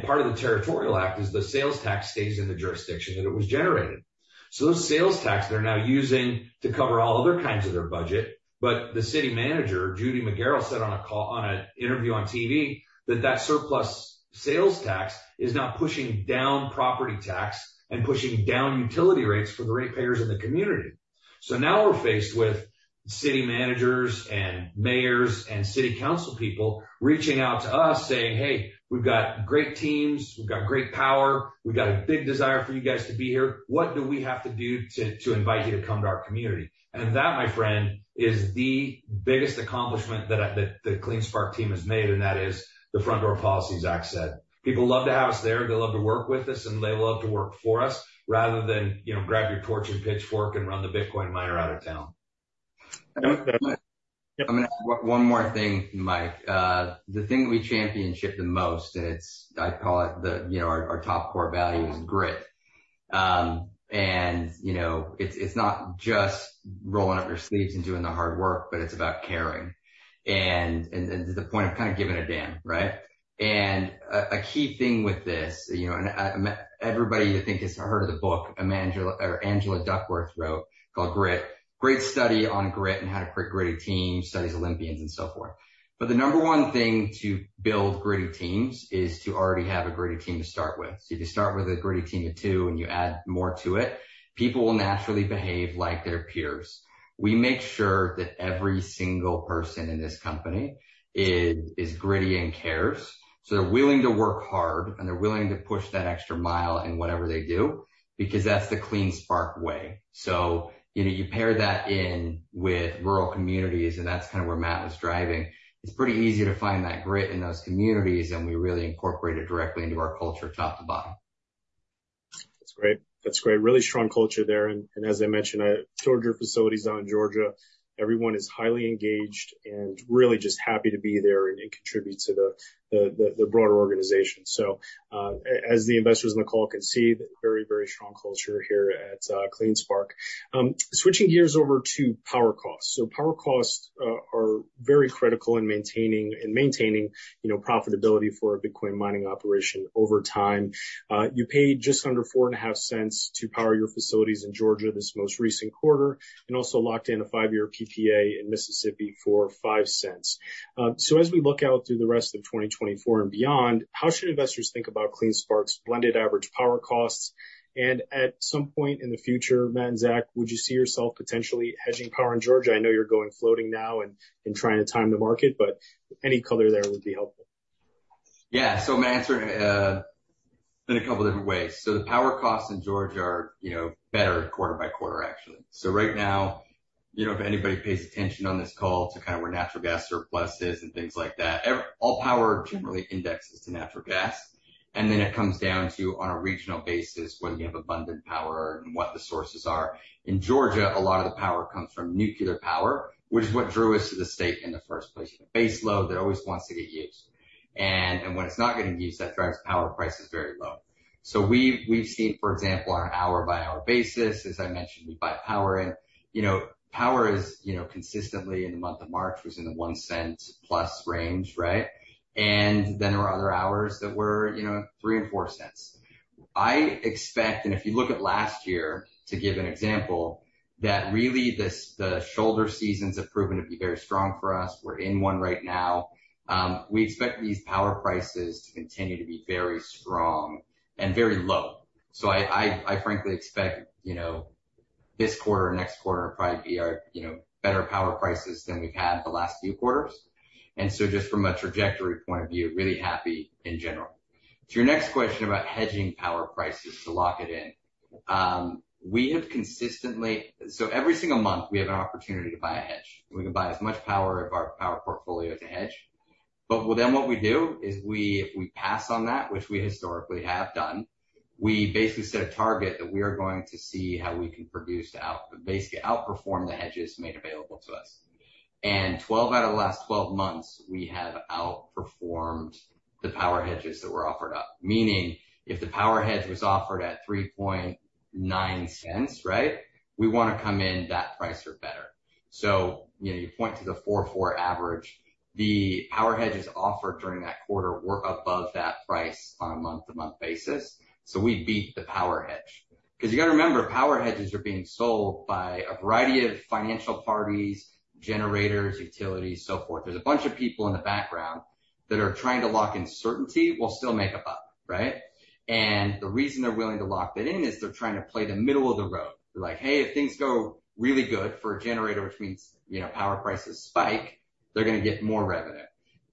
part of the Territorial Act is the sales tax stays in the jurisdiction that it was generated. So, those sales tax, they're now using to cover all other kinds of their budget. But the city manager, Judy McCorkle, said on a call on an interview on TV that that surplus sales tax is now pushing down property tax and pushing down utility rates for the ratepayers in the community. So, now we're faced with city managers and mayors and city council people reaching out to us saying, "Hey, we've got great teams. We've got great power. We've got a big desire for you guys to be here. What do we have to do to invite you to come to our community?" That, my friend, is the biggest accomplishment that the CleanSpark team has made. That is the front door policy, Zach said. People love to have us there. They love to work with us, and they love to work for us rather than, you know, grab your torch and pitchfork and run the Bitcoin miner out of town. I'm gonna add one more thing, Mike. The thing that we champion the most, and it's, I call it the, you know, our top core value is grit. You know, it's not just rolling up your sleeves and doing the hard work, but it's about caring and to the point of kind of giving a damn, right? And a key thing with this, you know, and everybody I think has heard of the book Angela Duckworth wrote called Grit, great study on grit and how to create gritty teams, studies Olympians, and so forth. But the number one thing to build gritty teams is to already have a gritty team to start with. So, if you start with a gritty team of two and you add more to it, people will naturally behave like their peers. We make sure that every single person in this company is gritty and cares. So, they're willing to work hard, and they're willing to push that extra mile in whatever they do because that's the CleanSpark way. So, you know, you pair that in with rural communities, and that's kind of where Matt was driving. It's pretty easy to find that grit in those communities, and we really incorporate it directly into our culture top to bottom. That's great. That's great. Really strong culture there. And as I mentioned, Georgia facilities out in Georgia. Everyone is highly engaged and really just happy to be there and contribute to the broader organization. So, as the investors on the call can see, very, very strong culture here at CleanSpark. Switching gears over to power costs. So, power costs are very critical in maintaining, you know, profitability for a Bitcoin mining operation over time. You paid just under $0.045 to power your facilities in Georgia this most recent quarter and also locked in a 5-year PPA in Mississippi for $0.05. So, as we look out through the rest of 2024 and beyond, how should investors think about CleanSpark's blended average power costs? At some point in the future, Matt and Zach, would you see yourself potentially hedging power in Georgia? I know you're going floating now and trying to time the market, but any color there would be helpful. Yeah. So, my answer, in a couple different ways. So, the power costs in Georgia are, you know, better quarter by quarter, actually. So right now, you know, if anybody pays attention on this call to kind of where natural gas surplus is and things like that, every all power generally indexes to natural gas. And then it comes down to, on a regional basis, whether you have abundant power and what the sources are. In Georgia, a lot of the power comes from nuclear power, which is what drew us to the state in the first place. You have a base load that always wants to get used. And when it's not getting used, that drives power prices very low. So, we've seen, for example, on an hour-by-hour basis, as I mentioned, we buy power in. You know, power is, you know, consistently in the month of March, was in the $0.01+ range, right? And then there were other hours that were, you know, $0.03 and $0.04. I expect, and if you look at last year to give an example, that really this the shoulder seasons have proven to be very strong for us. We're in one right now. We expect these power prices to continue to be very strong and very low. So I I I frankly expect, you know, this quarter and next quarter to probably be our, you know, better power prices than we've had the last few quarters. And so just from a trajectory point of view, really happy in general. To your next question about hedging power prices to lock it in, we have consistently so every single month, we have an opportunity to buy a hedge. We can buy as much power of our power portfolio to hedge. But then what we do is we if we pass on that, which we historically have done, we basically set a target that we are going to see how we can produce to out basically outperform the hedges made available to us. And 12 out of the last 12 months, we have outperformed the power hedges that were offered up, meaning if the power hedge was offered at $0.039, right, we want to come in that price or better. So, you know, you point to the $0.044 average. The power hedges offered during that quarter were above that price on a month-to-month basis. So, we beat the power hedge. Because you got to remember, power hedges are being sold by a variety of financial parties, generators, utilities, so forth. There's a bunch of people in the background that are trying to lock in certainty will still make up, right? And the reason they're willing to lock that in is they're trying to play the middle of the road. They're like, "Hey, if things go really good for a generator, which means, you know, power prices spike, they're going to get more revenue.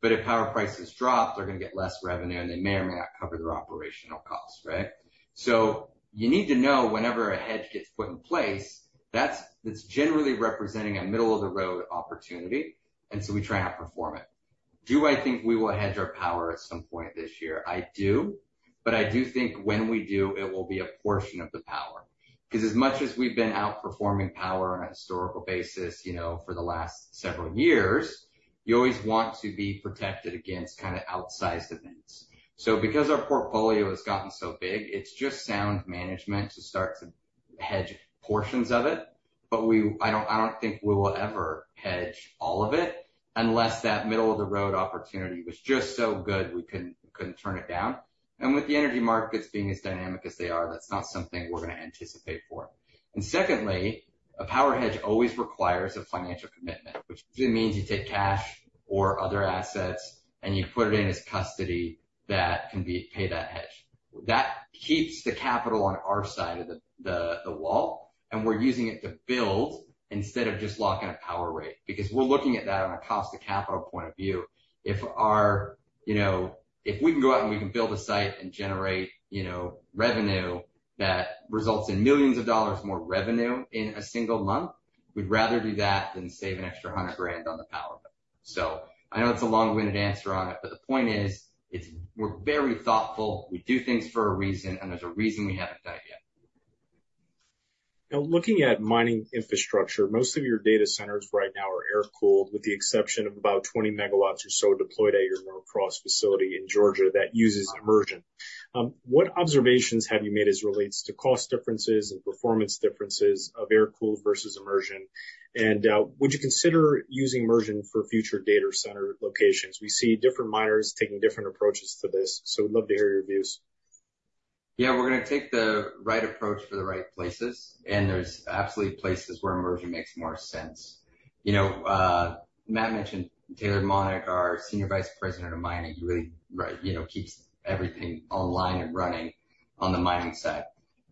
But if power prices drop, they're going to get less revenue, and they may or may not cover their operational costs," right? So, you need to know whenever a hedge gets put in place, that's generally representing a middle-of-the-road opportunity. And so we try and outperform it. Do I think we will hedge our power at some point this year? I do. But I do think when we do, it will be a portion of the power. Because as much as we've been outperforming power on a historical basis, you know, for the last several years, you always want to be protected against kind of outsized events. So, because our portfolio has gotten so big, it's just sound management to start to hedge portions of it. But I don't think we will ever hedge all of it unless that middle-of-the-road opportunity was just so good we couldn't turn it down. And with the energy markets being as dynamic as they are, that's not something we're going to anticipate for. And secondly, a power hedge always requires a financial commitment, which usually means you take cash or other assets, and you put it in as custody that can be pay that hedge. That keeps the capital on our side of the wall. And we're using it to build instead of just locking a power rate because we're looking at that on a cost-to-capital point of view. If our, you know, if we can go out and we can build a site and generate, you know, revenue that results in millions of dollars more revenue in a single month, we'd rather do that than save an extra $100,000 on the power bill. So, I know it's a long-winded answer on it, but the point is it's we're very thoughtful. We do things for a reason, and there's a reason we haven't done it yet. Now, looking at mining infrastructure, most of your data centers right now are air-cooled, with the exception of about 20 MW or so deployed at your Norcross facility in Georgia that uses immersion. What observations have you made as it relates to cost differences and performance differences of air-cooled versus immersion? And, would you consider using immersion for future data center locations? We see different miners taking different approaches to this, so we'd love to hear your views. Yeah. We're going to take the right approach for the right places. And there's absolutely places where immersion makes more sense. You know, Matt mentioned Taylor Monnig, our senior vice president of mining. He really, right, you know, keeps everything online and running on the mining side.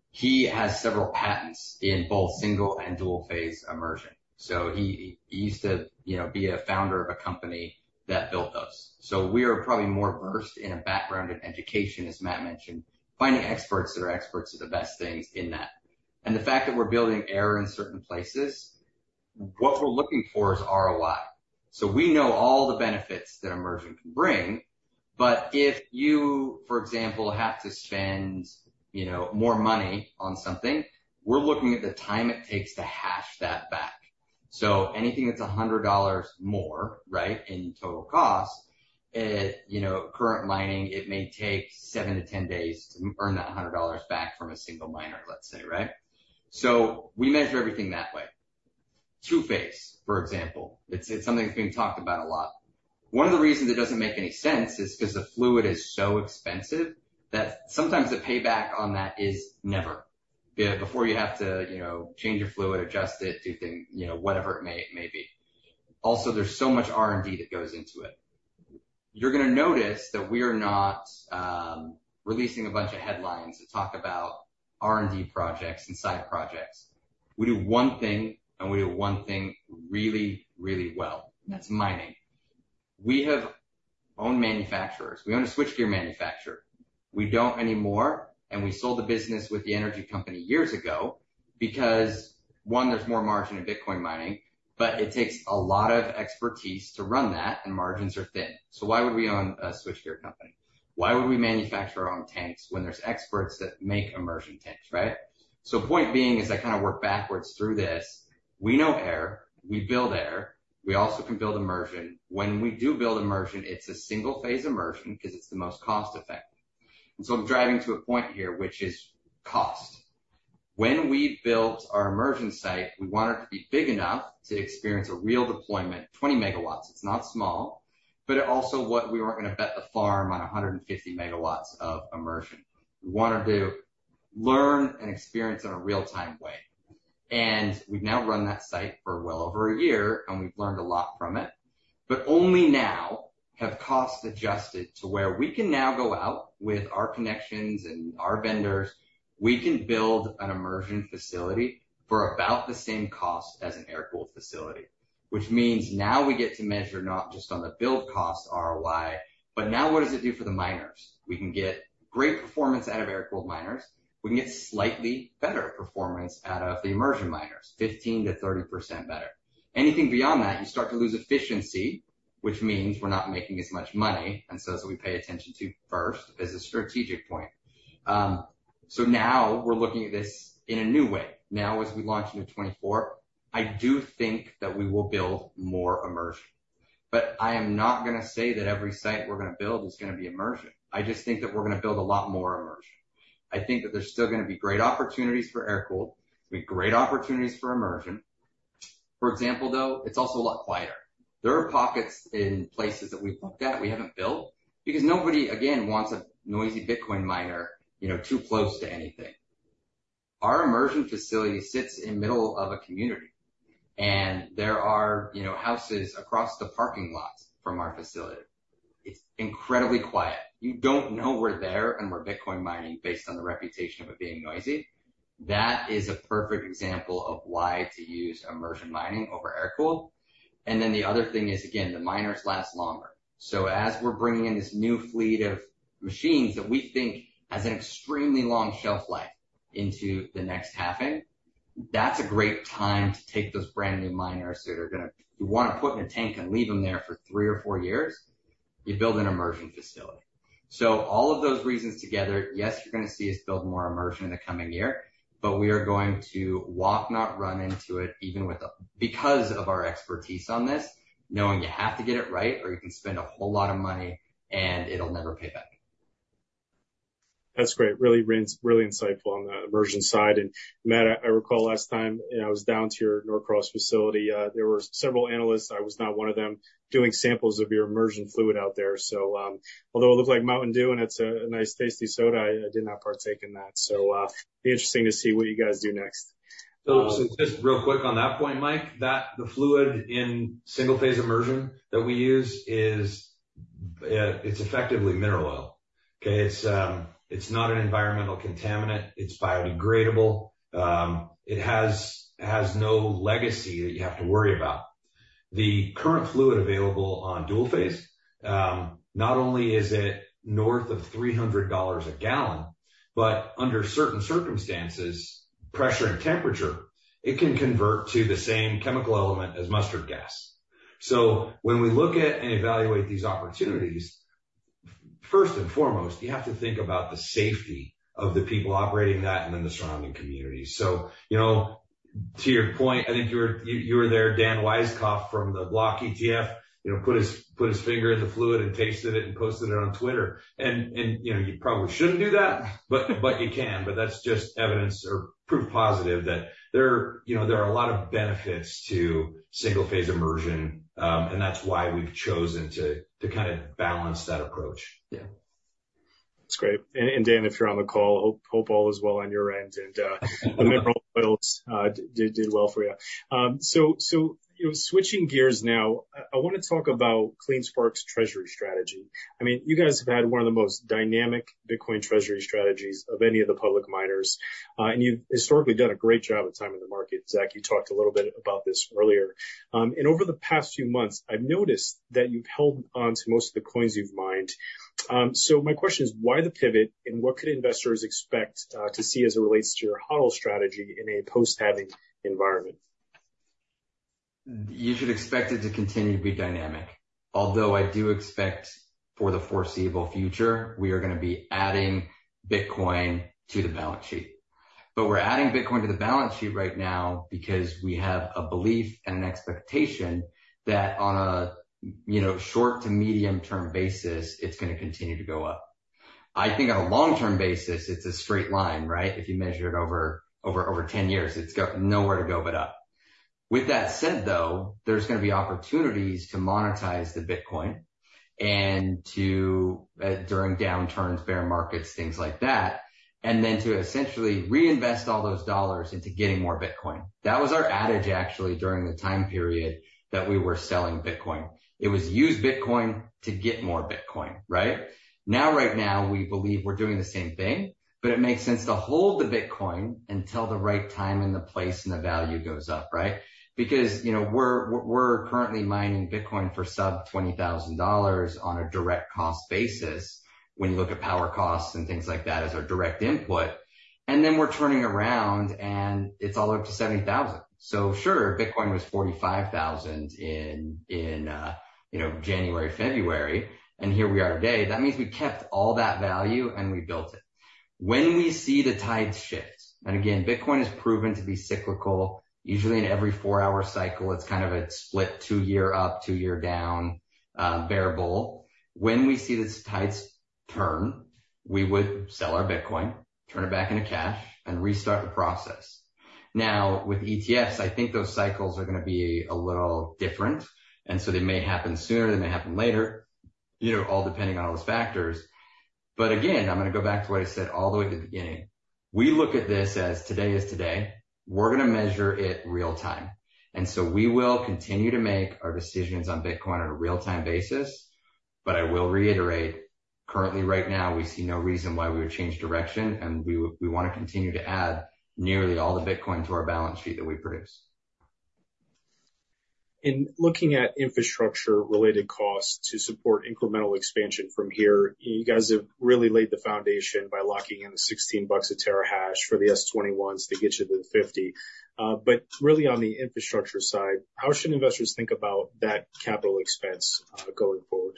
He has several patents in both single and dual-phase immersion. So he used to, you know, be a founder of a company that built those. So we are probably more versed in a background in education, as Matt mentioned, finding experts that are experts at the best things in that. And the fact that we're building air-cooled in certain places, what we're looking for is ROI. So we know all the benefits that immersion can bring. But if you, for example, have to spend, you know, more money on something, we're looking at the time it takes to hash that back. So anything that's $100 more, right, in total cost, it, you know, current mining, it may take 7-10 days to earn that $100 back from a single miner, let's say, right? So we measure everything that way. Two-phase, for example. It's something that's being talked about a lot. One of the reasons it doesn't make any sense is because the fluid is so expensive that sometimes the payback on that is never before you have to, you know, change your fluid, adjust it, do things, you know, whatever it may be. Also, there's so much R&D that goes into it. You're going to notice that we are not releasing a bunch of headlines to talk about R&D projects and side projects. We do one thing, and we do one thing really, really well. And that's mining. We have owned manufacturers. We own a switchgear manufacturer. We don't anymore. And we sold the business with the energy company years ago because, one, there's more margin in Bitcoin mining, but it takes a lot of expertise to run that, and margins are thin. So why would we own a switchgear company? Why would we manufacture our own tanks when there's experts that make immersion tanks, right? So point being is I kind of work backwards through this. We know air. We build air. We also can build immersion. When we do build immersion, it's a single-phase immersion because it's the most cost-effective. And so I'm driving to a point here, which is cost. When we built our immersion site, we wanted it to be big enough to experience a real deployment, 20 MW. It's not small. But it also what we weren't going to bet the farm on 150 MW of immersion. We wanted to learn and experience in a real-time way. We've now run that site for well over a year, and we've learned a lot from it. Only now have costs adjusted to where we can now go out with our connections and our vendors. We can build an immersion facility for about the same cost as an air-cooled facility, which means now we get to measure not just on the build cost ROI, but now what does it do for the miners? We can get great performance out of air-cooled miners. We can get slightly better performance out of the immersion miners, 15%-30% better. Anything beyond that, you start to lose efficiency, which means we're not making as much money. And so that's what we pay attention to first as a strategic point. So, now we're looking at this in a new way. Now, as we launch into 2024, I do think that we will build more immersion. But I am not going to say that every site we're going to build is going to be immersion. I just think that we're going to build a lot more immersion. I think that there's still going to be great opportunities for air-cooled. There's going to be great opportunities for immersion. For example, though, it's also a lot quieter. There are pockets in places that we've looked at we haven't built because nobody, again, wants a noisy Bitcoin miner, you know, too close to anything. Our immersion facility sits in the middle of a community. And there are, you know, houses across the parking lot from our facility. It's incredibly quiet. You don't know we're there and we're Bitcoin mining based on the reputation of it being noisy. That is a perfect example of why to use immersion cooling over air-cooled. And then the other thing is, again, the miners last longer. So, as we're bringing in this new fleet of machines that we think has an extremely long shelf life into the next halving, that's a great time to take those brand new miners that are going to you want to put in a tank and leave them there for three or four years, you build an immersion facility. So, all of those reasons together, yes, you're going to see us build more immersion in the coming year, but we are going to walk, not run into it even with a because of our expertise on this, knowing you have to get it right or you can spend a whole lot of money, and it'll never pay back. That's great. Really really insightful on the immersion side. And Matt, I recall last time, you know, I was down to your Norcross facility. There were several analysts. I was not one of them doing samples of your immersion fluid out there. So, although it looked like Mountain Dew and it's a nice, tasty soda, I did not partake in that. So, it'd be interesting to see what you guys do next. Philip, so just really quick on that point, Mike, that the fluid in single-phase immersion that we use is, it's effectively mineral oil. Okay? It's, it's not an environmental contaminant. It's biodegradable. It has no legacy that you have to worry about. The current fluid available on dual phase, not only is it north of $300 a gallon, but under certain circumstances, pressure and temperature, it can convert to the same chemical element as mustard gas. So, when we look at and evaluate these opportunities, first and foremost, you have to think about the safety of the people operating that and then the surrounding communities. So, you know, to your point, I think you were there. Dan Weiskopf from the BLOK ETF, you know, put his finger in the fluid and tasted it and posted it on Twitter. You know, you probably shouldn't do that, but you can. But that's just evidence or proof positive that, you know, there are a lot of benefits to single-phase immersion. And that's why we've chosen to kind of balance that approach. Yeah. That's great. And Dan, if you're on the call, hope all is well on your end. And, the mineral oils, did well for you. So, you know, switching gears now, I want to talk about CleanSpark's treasury strategy. I mean, you guys have had one of the most dynamic Bitcoin treasury strategies of any of the public miners. And you've historically done a great job at timing the market. Zach, you talked a little bit about this earlier. And over the past few months, I've noticed that you've held on to most of the coins you've mined. So, my question is, why the pivot, and what could investors expect to see as it relates to your HODL strategy in a post-halving environment? You should expect it to continue to be dynamic. Although I do expect for the foreseeable future, we are going to be adding Bitcoin to the balance sheet. But we're adding Bitcoin to the balance sheet right now because we have a belief and an expectation that on a, you know, short to medium-term basis, it's going to continue to go up. I think on a long-term basis, it's a straight line, right? If you measure it over over over 10 years, it's got nowhere to go but up. With that said, though, there's going to be opportunities to monetize the Bitcoin and to during downturns, bear markets, things like that, and then to essentially reinvest all those dollars into getting more Bitcoin. That was our adage, actually, during the time period that we were selling Bitcoin. It was use Bitcoin to get more Bitcoin, right? Now, right now, we believe we're doing the same thing, but it makes sense to hold the Bitcoin until the right time and the place and the value goes up, right? Because, you know, we're currently mining Bitcoin for sub $20,000 on a direct cost basis when you look at power costs and things like that as our direct input. And then we're turning around, and it's all up to $70,000. So sure, Bitcoin was $45,000 in, you know, January, February. And here we are today. That means we kept all that value, and we built it. When we see the tides shift and again, Bitcoin has proven to be cyclical. Usually, in every four-year cycle, it's kind of a split two-year up, two-year down, bear bull. When we see the tides turn, we would sell our Bitcoin, turn it back into cash, and restart the process. Now, with ETFs, I think those cycles are going to be a little different. And so they may happen sooner. They may happen later, you know, all depending on all those factors. But again, I'm going to go back to what I said all the way at the beginning. We look at this as today is today. We're going to measure it real-time. And so we will continue to make our decisions on Bitcoin on a real-time basis. But I will reiterate, currently, right now, we see no reason why we would change direction. And we want to continue to add nearly all the Bitcoin to our balance sheet that we produce. Looking at infrastructure-related costs to support incremental expansion from here, you guys have really laid the foundation by locking in the $16 of terahash for the S21s to get you to the 50. But really, on the infrastructure side, how should investors think about that capital expense, going forward?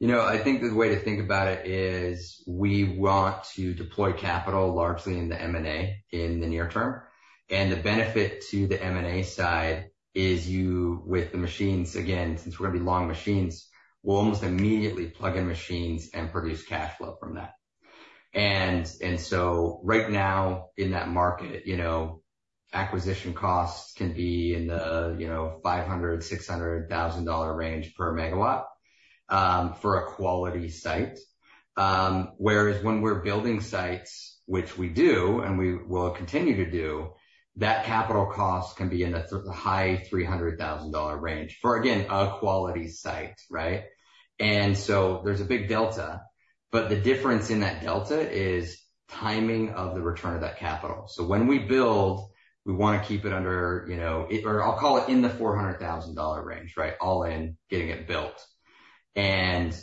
You know, I think the way to think about it is we want to deploy capital largely in the M&A in the near term. And the benefit to the M&A side is you with the machines, again, since we're going to be long machines, we'll almost immediately plug in machines and produce cash flow from that. And and so right now in that market, you know, acquisition costs can be in the, you know, $500,000-$600,000 range per megawatt, for a quality site. Whereas when we're building sites, which we do and we will continue to do, that capital cost can be in the high $300,000 range for, again, a quality site, right? And so there's a big delta. But the difference in that delta is timing of the return of that capital. So, when we build, we want to keep it under, you know, or I'll call it in the $400,000 range, right? All in getting it built. And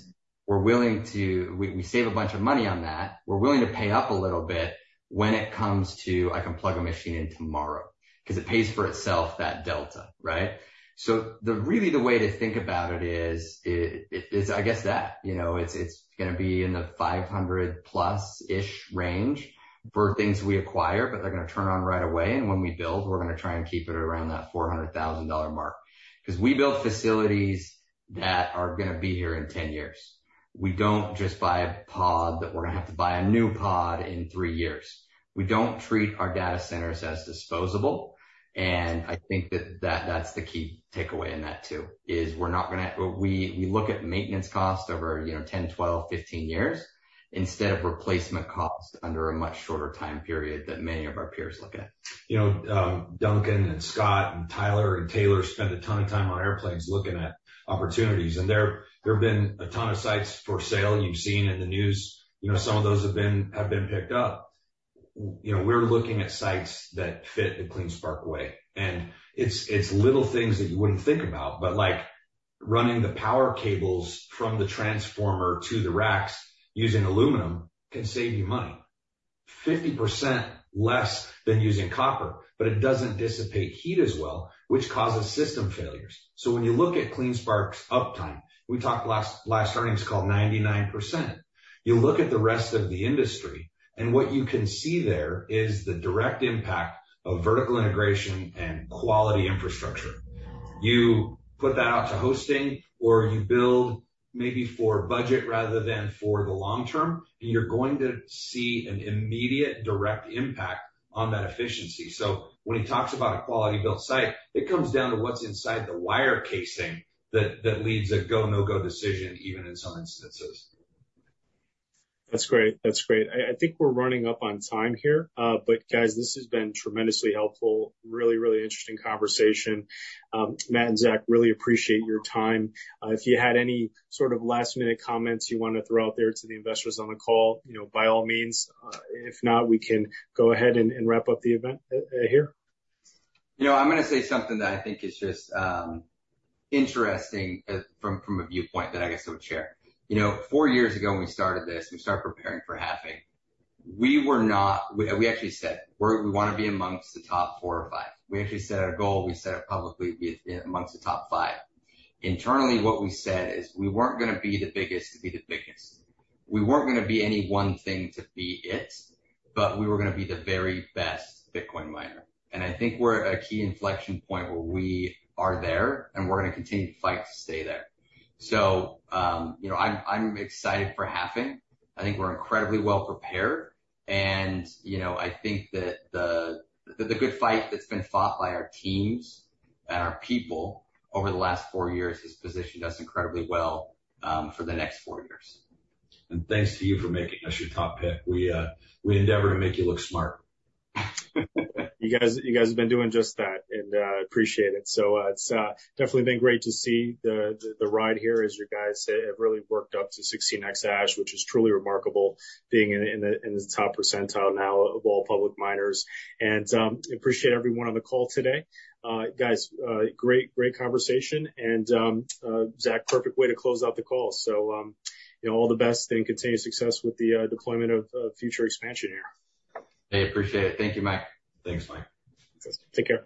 we're willing to save a bunch of money on that. We're willing to pay up a little bit when it comes to, I can plug a machine in tomorrow because it pays for itself that delta, right? So, really the way to think about it is it's, I guess that, you know, it's going to be in the 500+ range for things we acquire, but they're going to turn on right away. And when we build, we're going to try and keep it around that $400,000 mark because we build facilities that are going to be here in 10 years. We don't just buy a pod that we're going to have to buy a new pod in three years. We don't treat our data centers as disposable. And I think that's the key takeaway in that too is we're not going to look at maintenance cost over, you know, 10, 12, 15 years instead of replacement cost under a much shorter time period that many of our peers look at. You know, Duncan and Scott and Tyler and Taylor spent a ton of time on airplanes looking at opportunities. There have been a ton of sites for sale you've seen in the news. You know, some of those have been picked up. You know, we're looking at sites that fit the CleanSpark way. It's little things that you wouldn't think about, but like running the power cables from the transformer to the racks using aluminum can save you money, 50% less than using copper, but it doesn't dissipate heat as well, which causes system failures. So, when you look at CleanSpark's uptime, we talked last earnings call 99%. You look at the rest of the industry, and what you can see there is the direct impact of vertical integration and quality infrastructure. You put that out to hosting, or you build maybe for budget rather than for the long term, and you're going to see an immediate direct impact on that efficiency. So when he talks about a quality-built site, it comes down to what's inside the wire casing that leads a go-no-go decision even in some instances. That's great. That's great. I think we're running up on time here. But guys, this has been tremendously helpful, really, really interesting conversation. Matt and Zach, really appreciate your time. If you had any sort of last-minute comments you want to throw out there to the investors on the call, you know, by all means. If not, we can go ahead and wrap up the event here. You know, I'm going to say something that I think is just interesting from a viewpoint that I guess I would share. You know, four years ago when we started this, we started preparing for Halving. We were not; we actually said, "We want to be amongst the top four or five." We actually set our goal. We set it publicly. We amongst the top five. Internally, what we said is we weren't going to be the biggest to be the biggest. We weren't going to be any one thing to be it, but we were going to be the very best Bitcoin miner. And I think we're at a key inflection point where we are there, and we're going to continue to fight to stay there. So, you know, I'm excited for Halving. I think we're incredibly well prepared. You know, I think that the good fight that's been fought by our teams and our people over the last four years has positioned us incredibly well for the next four years. Thanks to you for making us your top pick. We, we endeavor to make you look smart. You guys have been doing just that. And, appreciate it. So, it's definitely been great to see the ride here as you guys have really worked up to 16x hash, which is truly remarkable being in the top percentile now of all public miners. And, appreciate everyone on the call today. Guys, great conversation. And, Zach, perfect way to close out the call. So, you know, all the best and continue success with the deployment of future expansion here. I appreciate it. Thank you, Mike. Thanks, Mike. Okay. Take care.